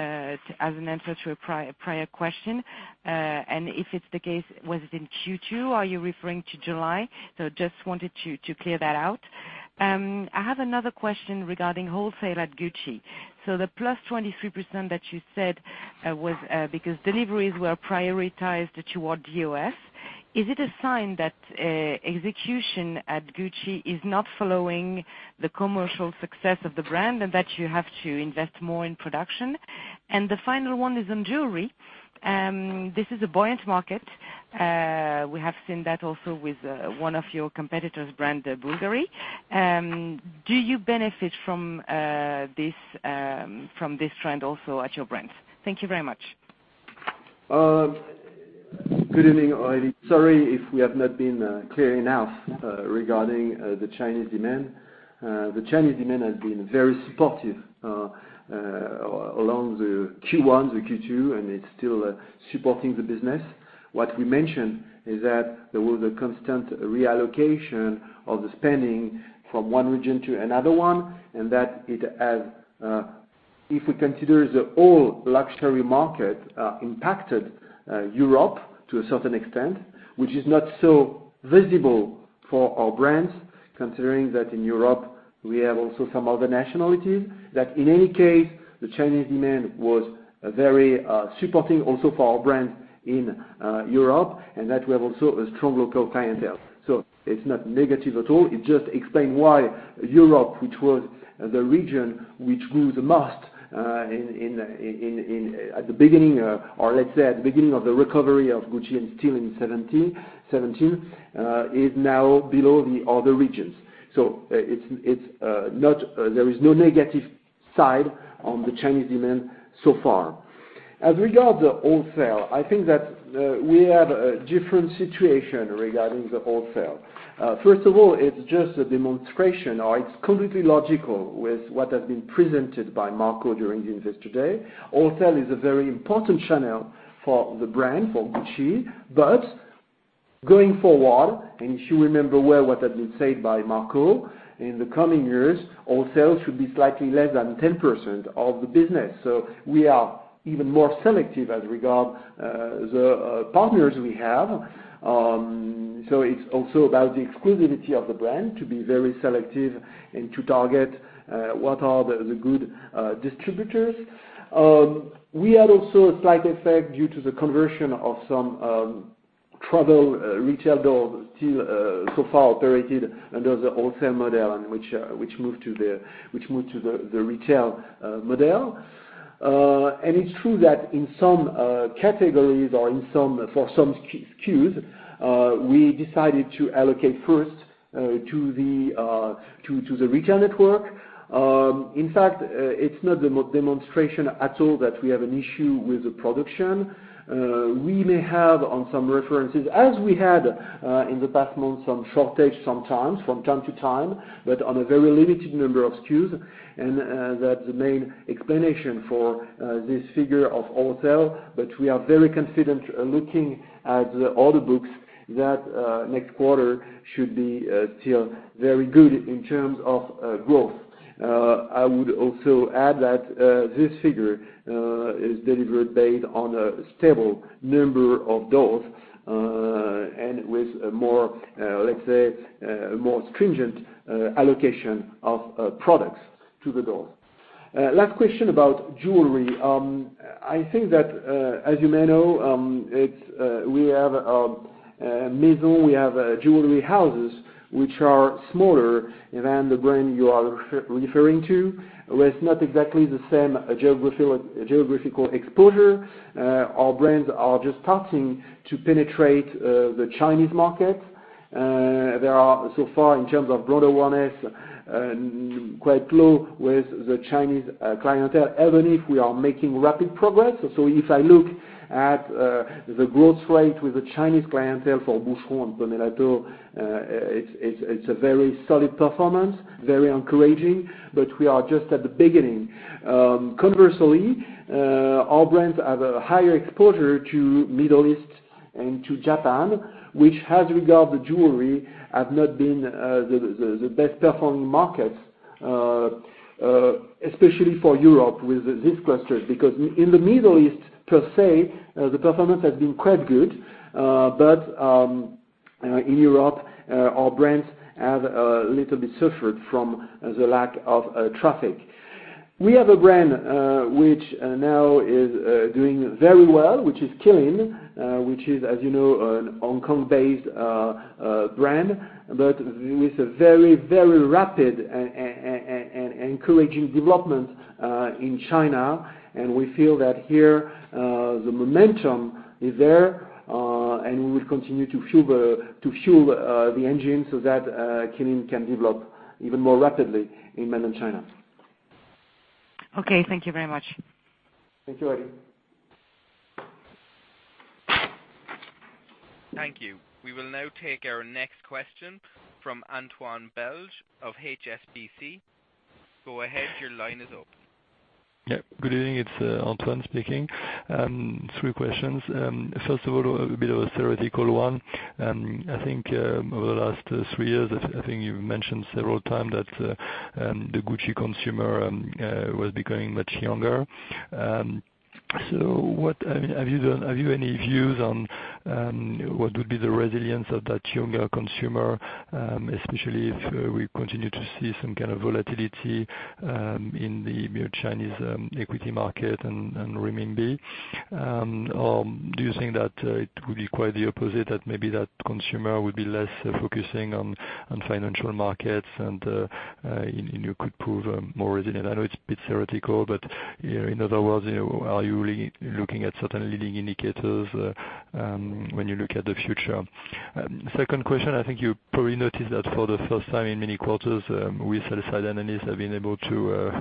an answer to a prior question? If it's the case, was it in Q2? Are you referring to July? Just wanted you to clear that out. I have another question regarding wholesale at Gucci. The +23% that you said was because deliveries were prioritized toward the U.S., is it a sign that execution at Gucci is not following the commercial success of the brand and that you have to invest more in production? The final one is on jewelry. This is a buoyant market. We have seen that also with one of your competitor's brand, Bulgari. Do you benefit from this trend also at your brands? Thank you very much. Good evening, Aurélie. Sorry if we have not been clear enough regarding the Chinese demand. The Chinese demand has been very supportive along the Q1 to Q2, it's still supporting the business. What we mentioned is that there was a constant reallocation of the spending from one region to another one, if we consider the whole luxury market, impacted Europe to a certain extent, which is not so visible for our brands, considering that in Europe we have also some other nationalities. In any case, the Chinese demand was very supporting also for our brands in Europe, we have also a strong local clientele. It's not negative at all. It just explain why Europe, which was the region which grew the most at the beginning of the recovery of Gucci and still in 2017, is now below the other regions. There is no negative side on the Chinese demand so far. Regarding the wholesale, I think that we have a different situation regarding the wholesale. First of all, it is just a demonstration, or it is completely logical with what has been presented by Marco during Investor Day. Wholesale is a very important channel for the brand, for Gucci. Going forward, and if you remember well what has been said by Marco, in the coming years, wholesale should be slightly less than 10% of the business. We are even more selective as regard the partners we have. It is also about the exclusivity of the brand to be very selective and to target what are the good distributors. We had also a slight effect due to the conversion of some travel retail door still so far operated under the wholesale model and which moved to the retail model. It is true that in some categories or for some SKUs, we decided to allocate first to the retail network. In fact, it is not demonstration at all that we have an issue with the production. We may have, on some references, as we had in the past months, some shortage sometimes, from time to time, but on a very limited number of SKUs, and that is the main explanation for this figure of wholesale. We are very confident looking at the order books that next quarter should be still very good in terms of growth. I would also add that this figure is delivered based on a stable number of doors, and with, let's say, a more stringent allocation of products to the door. Last question about jewelry. I think that, as you may know, we have a maison, we have jewelry houses which are smaller than the brand you are referring to, where it is not exactly the same geographical exposure. Our brands are just starting to penetrate the Chinese market. They are so far, in terms of brand awareness, quite low with the Chinese clientele, even if we are making rapid progress. If I look at the growth rate with the Chinese clientele for Boucheron and Panerai, it is a very solid performance, very encouraging, but we are just at the beginning. Conversely, our brands have a higher exposure to Middle East and to Japan, which as regard the jewelry, have not been the best performing markets. Especially for Europe with these clusters, because in the Middle East per se, the performance has been quite good. In Europe, our brands have a little bit suffered from the lack of traffic. We have a brand which now is doing very well, which is Qeelin, which is, as you know, a Hong Kong-based brand, but with a very, very rapid and encouraging development in China. We feel that here, the momentum is there, and we will continue to fuel the engine so that Qeelin can develop even more rapidly in mainland China. Okay. Thank you very much. Thank you, Aurélie. Thank you. We will now take our next question from Antoine Belge of HSBC. Go ahead. Your line is up. Good evening. It is Antoine speaking. Three questions. First of all, a bit of a theoretical one. I think, over the last three years, I think you have mentioned several times that the Gucci consumer was becoming much younger. Have you any views on what would be the resilience of that younger consumer, especially if we continue to see some kind of volatility in the Chinese equity market and CNY? Do you think that it would be quite the opposite, that maybe that consumer would be less focusing on financial markets, and you could prove more resilient? I know it is a bit theoretical, but in other words, are you really looking at certain leading indicators when you look at the future? Second question, I think you probably noticed that for the first time in many quarters, we sell-side analysts have been able to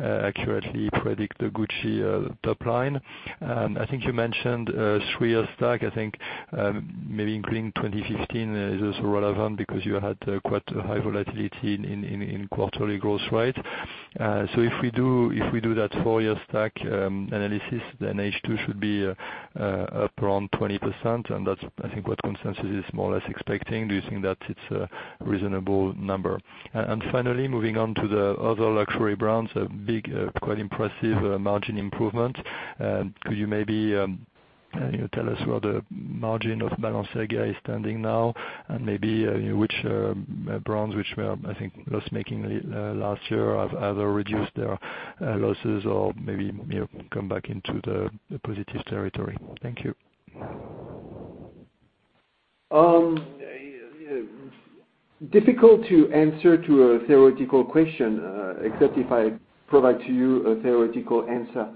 accurately predict the Gucci top line. I think you mentioned three-year stack. I think maybe including 2015 is also relevant because you had quite a high volatility in quarterly growth rate. If we do that four-year stack analysis, then H2 should be up around 20%, and that's I think what consensus is more or less expecting. Do you think that it's a reasonable number? Finally, moving on to the other luxury brands, a big, quite impressive margin improvement. Could you maybe tell us where the margin of Balenciaga is standing now, and maybe which brands which were, I think, loss-making last year, have either reduced their losses or maybe come back into the positive territory? Thank you. Difficult to answer to a theoretical question, except if I provide to you a theoretical answer.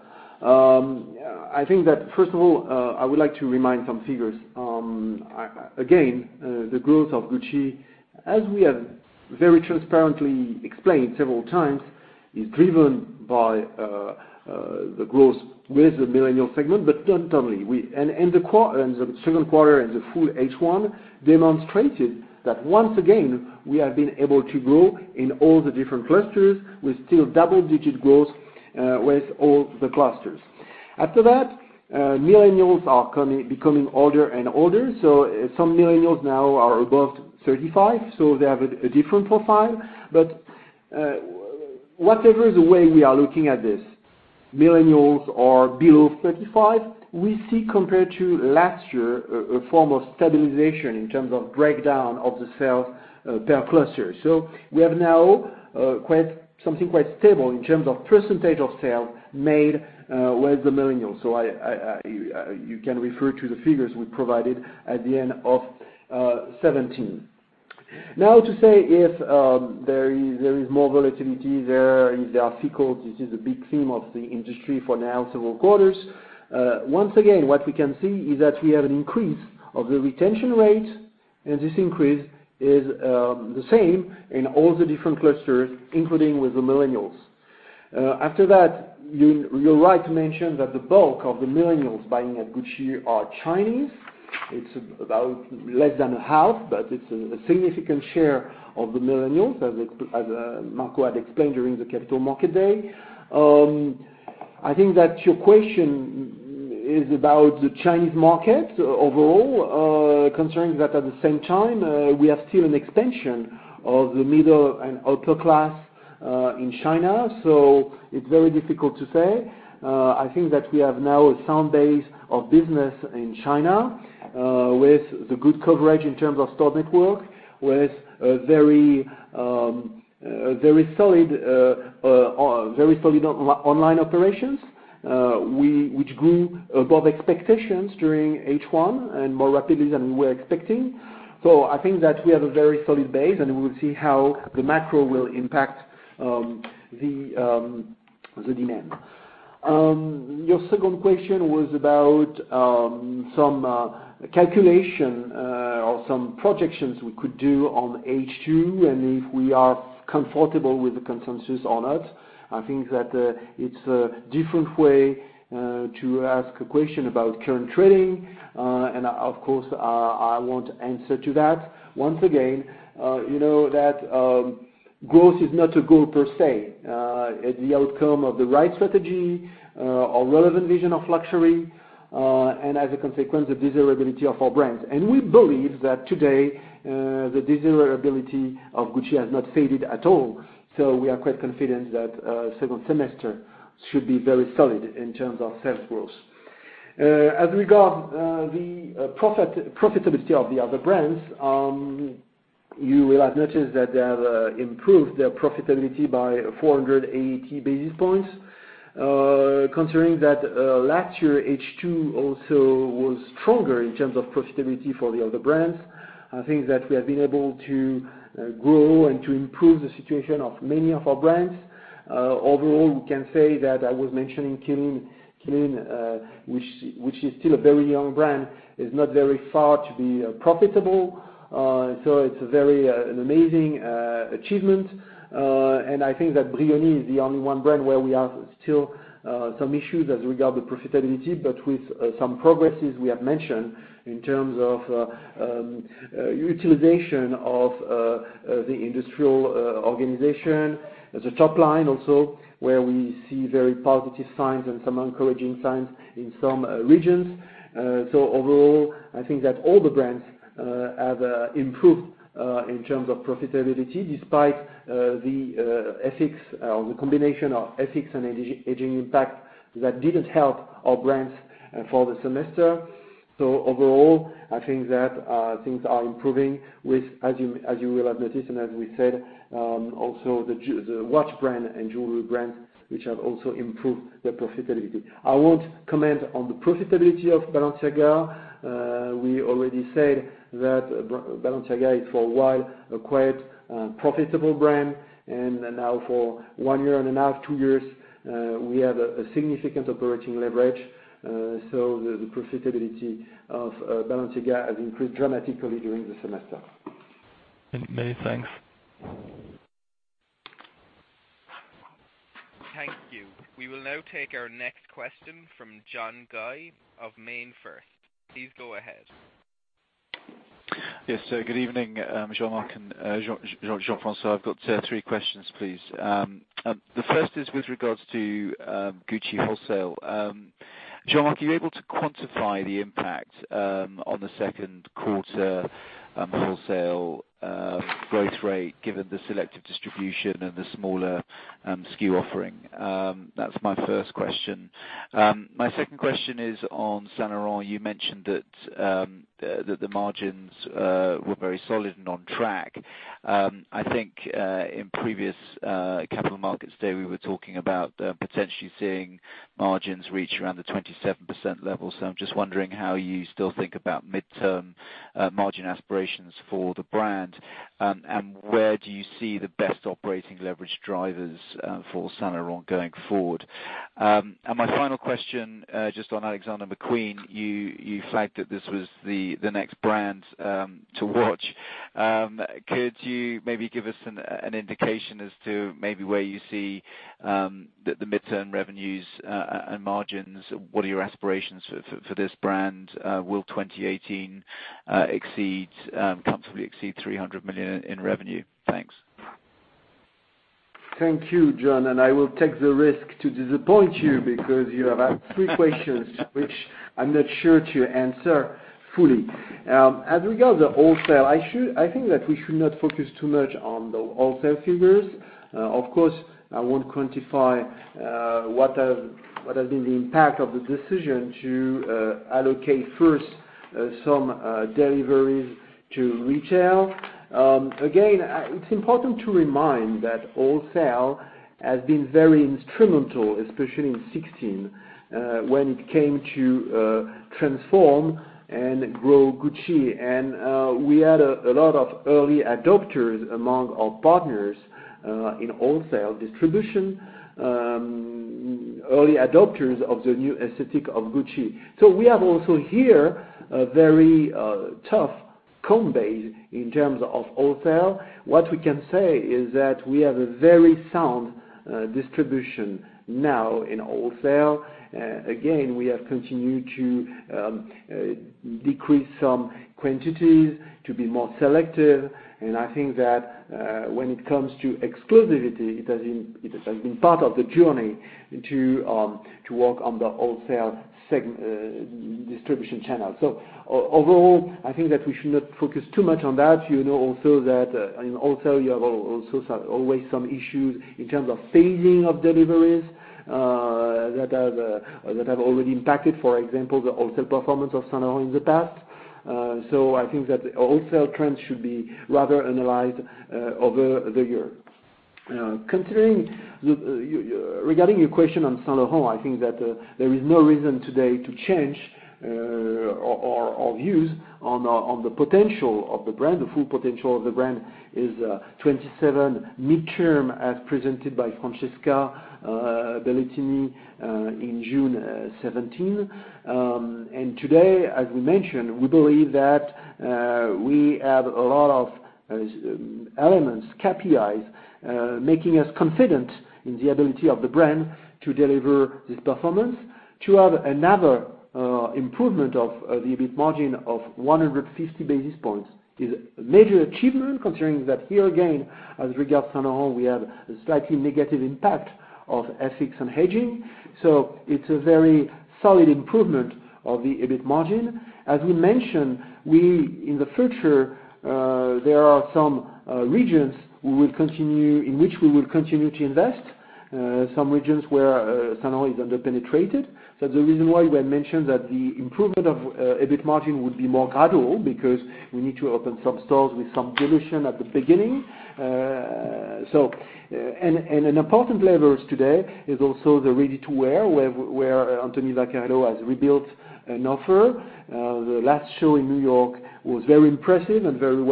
I think that first of all, I would like to remind some figures. Again, the growth of Gucci, as we have very transparently explained several times, is driven by the growth with the millennial segment, but not only. The second quarter and the full H1 demonstrated that once again, we have been able to grow in all the different clusters with still double-digit growth with all the clusters. After that, millennials are becoming older and older. Some millennials now are above 35, so they have a different profile. Whatever the way we are looking at this, millennials are below 35, we see, compared to last year, a form of stabilization in terms of breakdown of the sales per cluster. We have now something quite stable in terms of percentage of sales made with the millennials. You can refer to the figures we provided at the end of 2017. Now to say if there is more volatility, there are cycles, this is a big theme of the industry for now several quarters. Once again, what we can see is that we have an increase of the retention rate, and this increase is the same in all the different clusters, including with the millennials. After that, you're right to mention that the bulk of the millennials buying at Gucci are Chinese. It's about less than a half, but it's a significant share of the millennials, as Marco had explained during the Capital Markets Day. I think that your question is about the Chinese market overall, concerning that at the same time, we have still an extension of the middle and upper class in China. It's very difficult to say. I think that we have now a sound base of business in China with the good coverage in terms of store network, with very solid online operations, which grew above expectations during H1 and more rapidly than we were expecting. I think that we have a very solid base, and we will see how the macro will impact the demand. Your second question was about some calculation or some projections we could do on H2 and if we are comfortable with the consensus or not. I think that it's a different way to ask a question about current trading. Of course, I won't answer to that. Once again, you know that Growth is not a goal per se. It's the outcome of the right strategy, a relevant vision of luxury, and as a consequence, the desirability of our brands. We believe that today, the desirability of Gucci has not faded at all. We are quite confident that second semester should be very solid in terms of sales growth. As regard the profitability of the other brands, you will have noticed that they have improved their profitability by 480 basis points. Considering that last year H2 also was stronger in terms of profitability for the other brands. I think that we have been able to grow and to improve the situation of many of our brands. Overall, we can say that I was mentioning Qeelin, which is still a very young brand, is not very far to be profitable. It's an amazing achievement. I think that Brioni is the only one brand where we have still some issues as regard the profitability, but with some progresses we have mentioned in terms of utilization of the industrial organization. The top line also, where we see very positive signs and some encouraging signs in some regions. Overall, I think that all the brands have improved in terms of profitability despite the combination of FX and hedging impact that didn't help our brands for the semester. Overall, I think that things are improving with, as you will have noticed and as we said, also the watch brand and jewelry brand, which have also improved their profitability. I won't comment on the profitability of Balenciaga. We already said that Balenciaga is for a while a quite profitable brand. Now for one year and a half, two years, we have a significant operating leverage. The profitability of Balenciaga has increased dramatically during the semester. Many thanks. Thank you. We will now take our next question from John Guy of MainFirst. Please go ahead. Good evening, Jean-Marc and Jean-François. I've got three questions, please. The first is with regards to Gucci wholesale. Jean-Marc, are you able to quantify the impact on the second quarter wholesale growth rate given the selective distribution and the smaller SKU offering? That's my first question. My second question is on Saint Laurent. You mentioned that the margins were very solid and on track. I think, in previous Capital Markets Day, we were talking about potentially seeing margins reach around the 27% level. I'm just wondering how you still think about midterm margin aspirations for the brand. Where do you see the best operating leverage drivers for Saint Laurent going forward? My final question, just on Alexander McQueen, you flagged that this was the next brand to watch. Could you maybe give us an indication as to maybe where you see the midterm revenues and margins? What are your aspirations for this brand? Will 2018 comfortably exceed 300 million in revenue? Thanks. Thank you, John, and I will take the risk to disappoint you because you have asked three questions, which I'm not sure to answer fully. As regard the wholesale, I think that we should not focus too much on the wholesale figures. Of course, I won't quantify what has been the impact of the decision to allocate first some deliveries to retail. Again, it's important to remind that wholesale has been very instrumental, especially in 2016, when it came to transform and grow Gucci. We had a lot of early adopters among our partners in wholesale distribution, early adopters of the new aesthetic of Gucci. We have also here a very tough comp base in terms of wholesale. What we can say is that we have a very sound distribution now in wholesale. Again, we have continued to decrease some quantities to be more selective. I think that when it comes to exclusivity, it has been part of the journey to work on the wholesale distribution channel. Overall, I think that we should not focus too much on that. You know also that in wholesale, you have also always some issues in terms of phasing of deliveries that have already impacted, for example, the wholesale performance of Saint Laurent in the past. I think that the wholesale trends should be rather analyzed over the year. Regarding your question on Saint Laurent, I think that there is no reason today to change our views on the potential of the brand. The full potential of the brand is 2027 midterm, as presented by Francesca Bellettini in June 2017. Today, as we mentioned, we believe that we have a lot of elements, KPIs, making us confident in the ability of the brand to deliver this performance. To have another improvement of the EBIT margin of 150 basis points is a major achievement, considering that here again, as regards Saint Laurent, we have a slightly negative impact of FX and hedging. It's a very solid improvement of the EBIT margin. As we mentioned, in the future, there are some regions in which we will continue to invest, some regions where Saint Laurent is under-penetrated. That's the reason why we mentioned that the improvement of EBIT margin would be more gradual, because we need to open some stores with some dilution at the beginning. An important leverage today is also the ready-to-wear, where Anthony Vaccarello has rebuilt an offer. The last show in New York was very impressive and very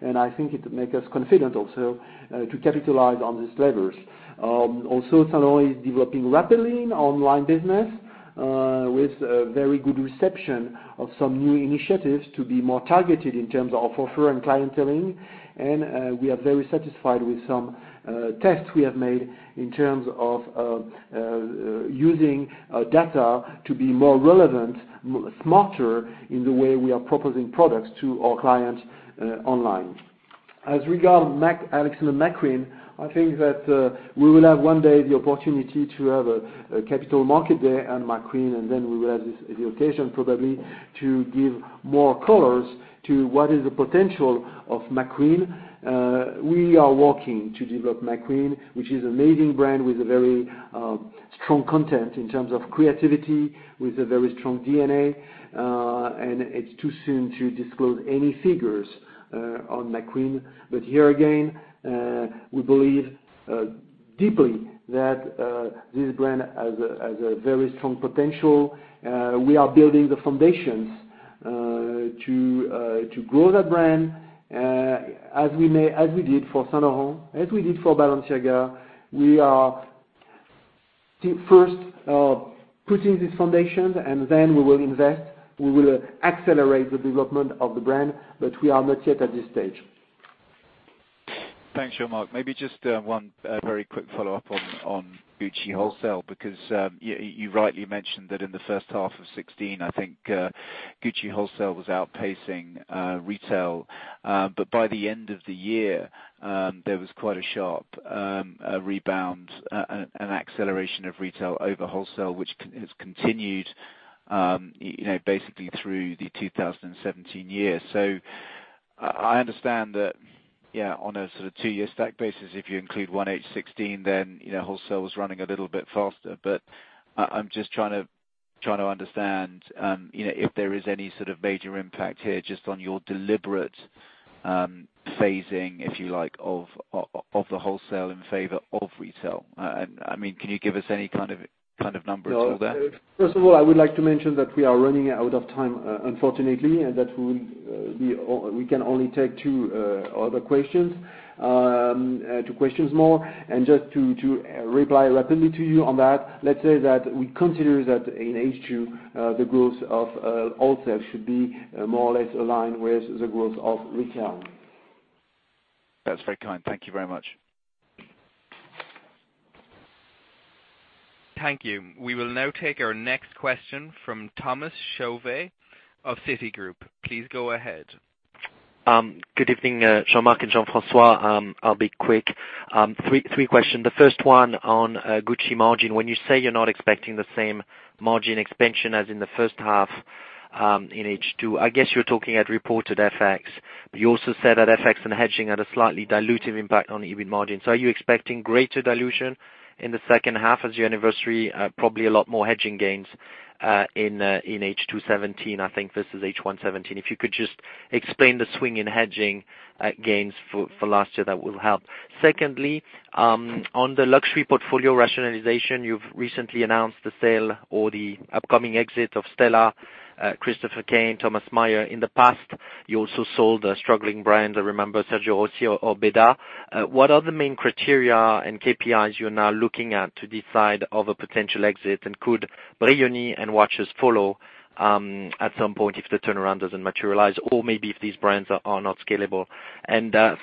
well-received, I think it make us confident also to capitalize on these levers. Also, Saint Laurent is developing rapidly in online business, with very good reception of some new initiatives to be more targeted in terms of offer and clienteling. We are very satisfied with some tests we have made in terms of using data to be more relevant, smarter in the way we are proposing products to our clients online. As regard Alexander McQueen, I think that we will have one day the opportunity to have a capital market day at McQueen, then we will have the occasion probably to give more colors to what is the potential of McQueen. We are working to develop McQueen, which is amazing brand with a very strong content in terms of creativity, with a very strong DNA. It's too soon to disclose any figures on McQueen. Here again, we believe deeply that this brand has a very strong potential. We are building the foundations to grow the brand, as we did for Saint Laurent, as we did for Balenciaga. We are first putting these foundations, then we will invest, we will accelerate the development of the brand, we are not yet at this stage. Thanks, Jean-Marc. Maybe just one very quick follow-up on Gucci wholesale, because you rightly mentioned that in the first half of 2016, I think Gucci wholesale was outpacing retail. By the end of the year, there was quite a sharp rebound, an acceleration of retail over wholesale, which has continued basically through the 2017 year. I understand that on a sort of two-year stack basis, if you include 1H 2016 then wholesale was running a little bit faster. I'm just trying to understand if there is any sort of major impact here just on your deliberate phasing, if you like, of the wholesale in favor of retail. Can you give us any kind of numbers for that? First of all, I would like to mention that we are running out of time, unfortunately, and that we can only take two other questions, two questions more. Just to reply rapidly to you on that, let's say that we consider that in H2, the growth of wholesale should be more or less aligned with the growth of retail. That's very kind. Thank you very much. Thank you. We will now take our next question from Thomas Chauvet of Citigroup. Please go ahead. Good evening, Jean-Marc and Jean-François Palus. I'll be quick. Three question. The first one on Gucci margin. When you say you're not expecting the same margin expansion as in the first half in H2, I guess you're talking at reported FX, but you also said that FX and hedging had a slightly dilutive impact on the EBIT margin. Are you expecting greater dilution in the second half as your anniversary? Probably a lot more hedging gains in H2 2017, I think versus H1 2017. If you could just explain the swing in hedging gains for last year, that will help. On the luxury portfolio rationalization, you've recently announced the sale or the upcoming exit of Stella, Christopher Kane, Tomas Maier. In the past, you also sold a struggling brand. I remember Sergio Rossi or O'Beda. What are the main criteria and KPIs you're now looking at to decide of a potential exit, and could Brioni and watches follow at some point if the turnaround doesn't materialize, or maybe if these brands are not scalable?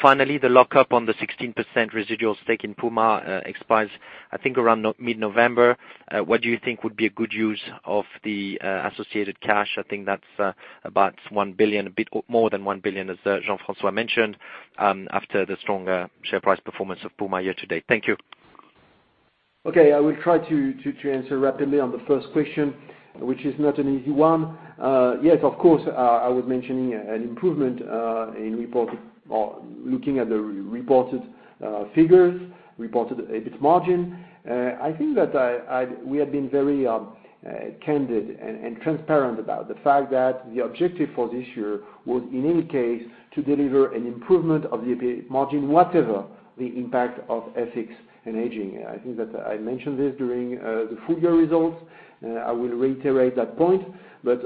Finally, the lockup on the 16% residual stake in Puma expires, I think around mid-November. What do you think would be a good use of the associated cash? I think that's about 1 billion, a bit more than 1 billion, as Jean-François Palus mentioned, after the strong share price performance of Puma year-to-date. Thank you. Okay. I will try to answer rapidly on the first question, which is not an easy one. Yes, of course, I was mentioning an improvement in reported, or looking at the reported figures, reported EBIT margin. I think that we have been very candid and transparent about the fact that the objective for this year was, in any case, to deliver an improvement of the EBIT margin, whatever the impact of FX and hedging. I think that I mentioned this during the full year results. I will reiterate that point.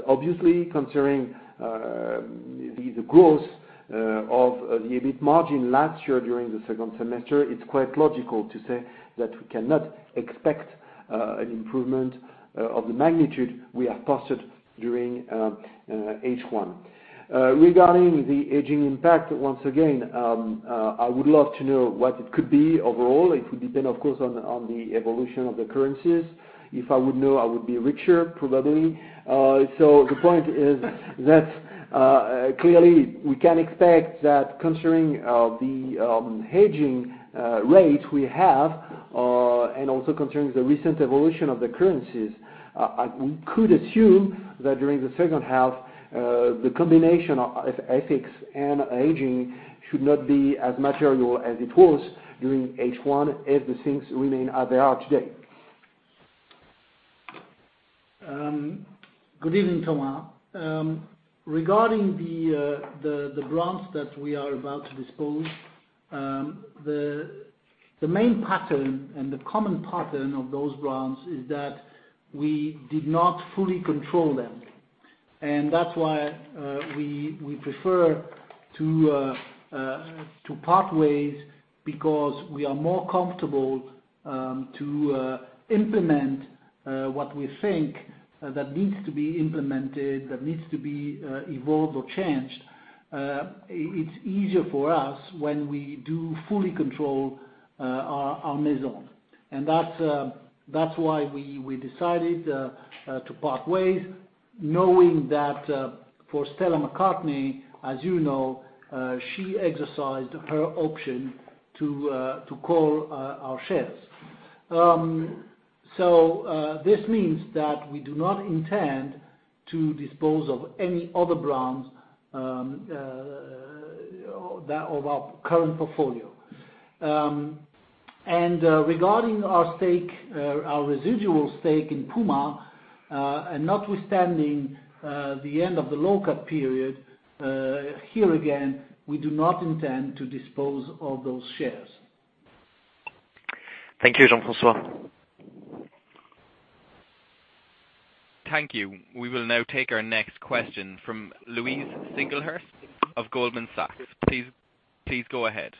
Obviously, considering the growth of the EBIT margin last year during the second semester, it's quite logical to say that we cannot expect an improvement of the magnitude we have posted during H1. Regarding the hedging impact, once again, I would love to know what it could be overall. It would depend, of course, on the evolution of the currencies. If I would know, I would be richer, probably. The point is that clearly we can expect that concerning the hedging rate we have, and also concerning the recent evolution of the currencies, we could assume that during the second half, the combination of FX and hedging should not be as material as it was during H1 if the things remain as they are today. Good evening, Thomas. Regarding the brands that we are about to dispose, the main pattern and the common pattern of those brands is that we did not fully control them. That's why we prefer to part ways because we are more comfortable to implement what we think that needs to be implemented, that needs to be evolved or changed. It's easier for us when we do fully control our maison. That's why we decided to part ways, knowing that for Stella McCartney, as you know, she exercised her option to call our shares. This means that we do not intend to dispose of any other brands of our current portfolio. Regarding our residual stake in Puma, and notwithstanding the end of the lockup period, here again, we do not intend to dispose of those shares. Thank you, Jean-François Palus. Thank you. We will now take our next question from Louise Singlehurst of Goldman Sachs. Please go ahead.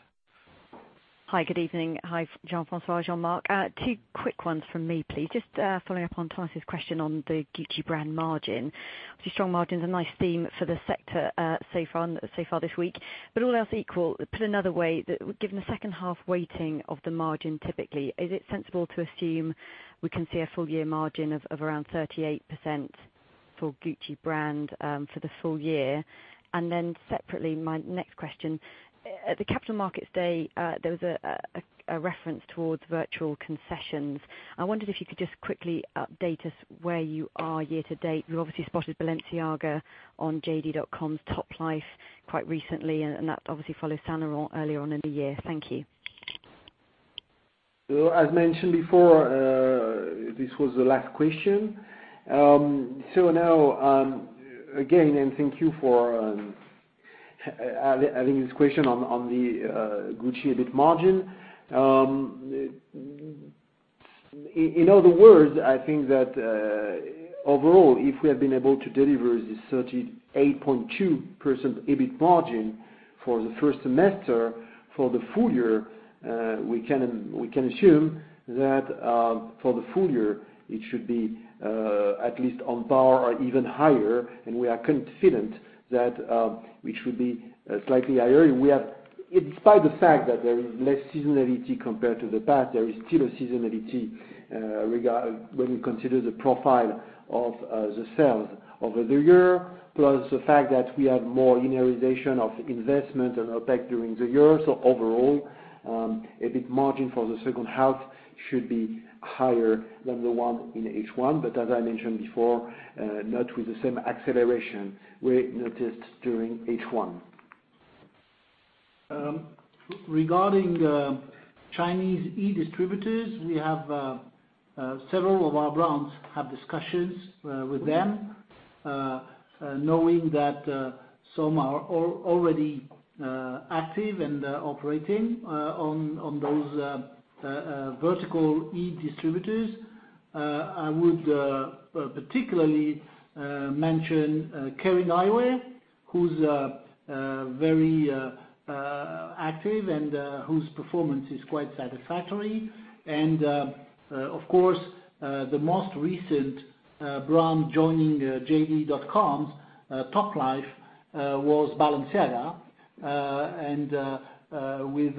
Hi, good evening. Hi, Jean-François, Jean-Marc. Two quick ones from me, please. Just following up on Thomas's question on the Gucci brand margin. Obviously strong margin is a nice theme for the sector so far this week. All else equal, put another way, given the second half weighting of the margin, typically, is it sensible to assume we can see a full-year margin of around 38% for Gucci brand for the full year? Separately, my next question. At the Capital Markets Day, there was a reference towards virtual concessions. I wondered if you could just quickly update us where you are year to date. You obviously spotted Balenciaga on JD.com's Toplife quite recently, and that obviously follows Saint Laurent earlier on in the year. Thank you. As mentioned before, this was the last question. Thank you for adding this question on the Gucci EBIT margin. In other words, I think that overall, if we have been able to deliver this 38.2% EBIT margin for the first semester, for the full year, we can assume that for the full year, it should be at least on par or even higher, and we are confident that we should be slightly higher. Despite the fact that there is less seasonality compared to the past, there is still a seasonality when we consider the profile of the sales over the year, plus the fact that we have more linearization of investment and OpEx during the year. Overall, EBIT margin for the second half should be higher than the one in H1, as I mentioned before, not with the same acceleration we noticed during H1. Regarding the Chinese e-distributors, several of our brands have discussions with them, knowing that some are already active and operating on those vertical e-distributors. I would particularly mention Kering Eyewear, who's very active and whose performance is quite satisfactory. Of course, the most recent brand joining JD.com's Toplife was Balenciaga, with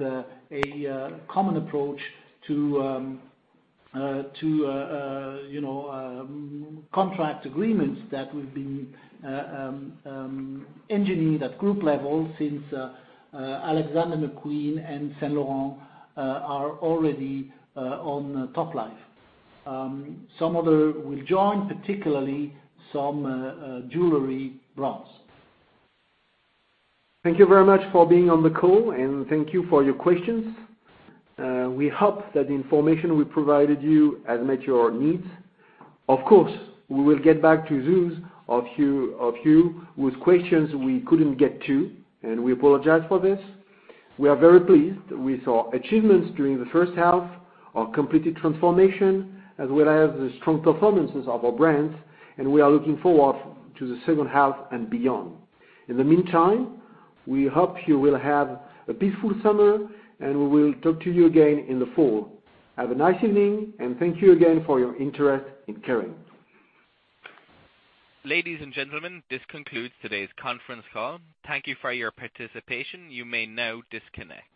a common approach to contract agreements that we've been engineering at group level since Alexander McQueen and Saint Laurent are already on Toplife. Some other will join, particularly some jewelry brands. Thank you very much for being on the call, thank you for your questions. We hope that the information we provided you has met your needs. Of course, we will get back to those of you with questions we couldn't get to, we apologize for this. We are very pleased with our achievements during the first half, our completed transformation, as well as the strong performances of our brands, we are looking forward to the second half and beyond. In the meantime, we hope you will have a peaceful summer, we will talk to you again in the fall. Have a nice evening, thank you again for your interest in Kering. Ladies and gentlemen, this concludes today's conference call. Thank you for your participation. You may now disconnect.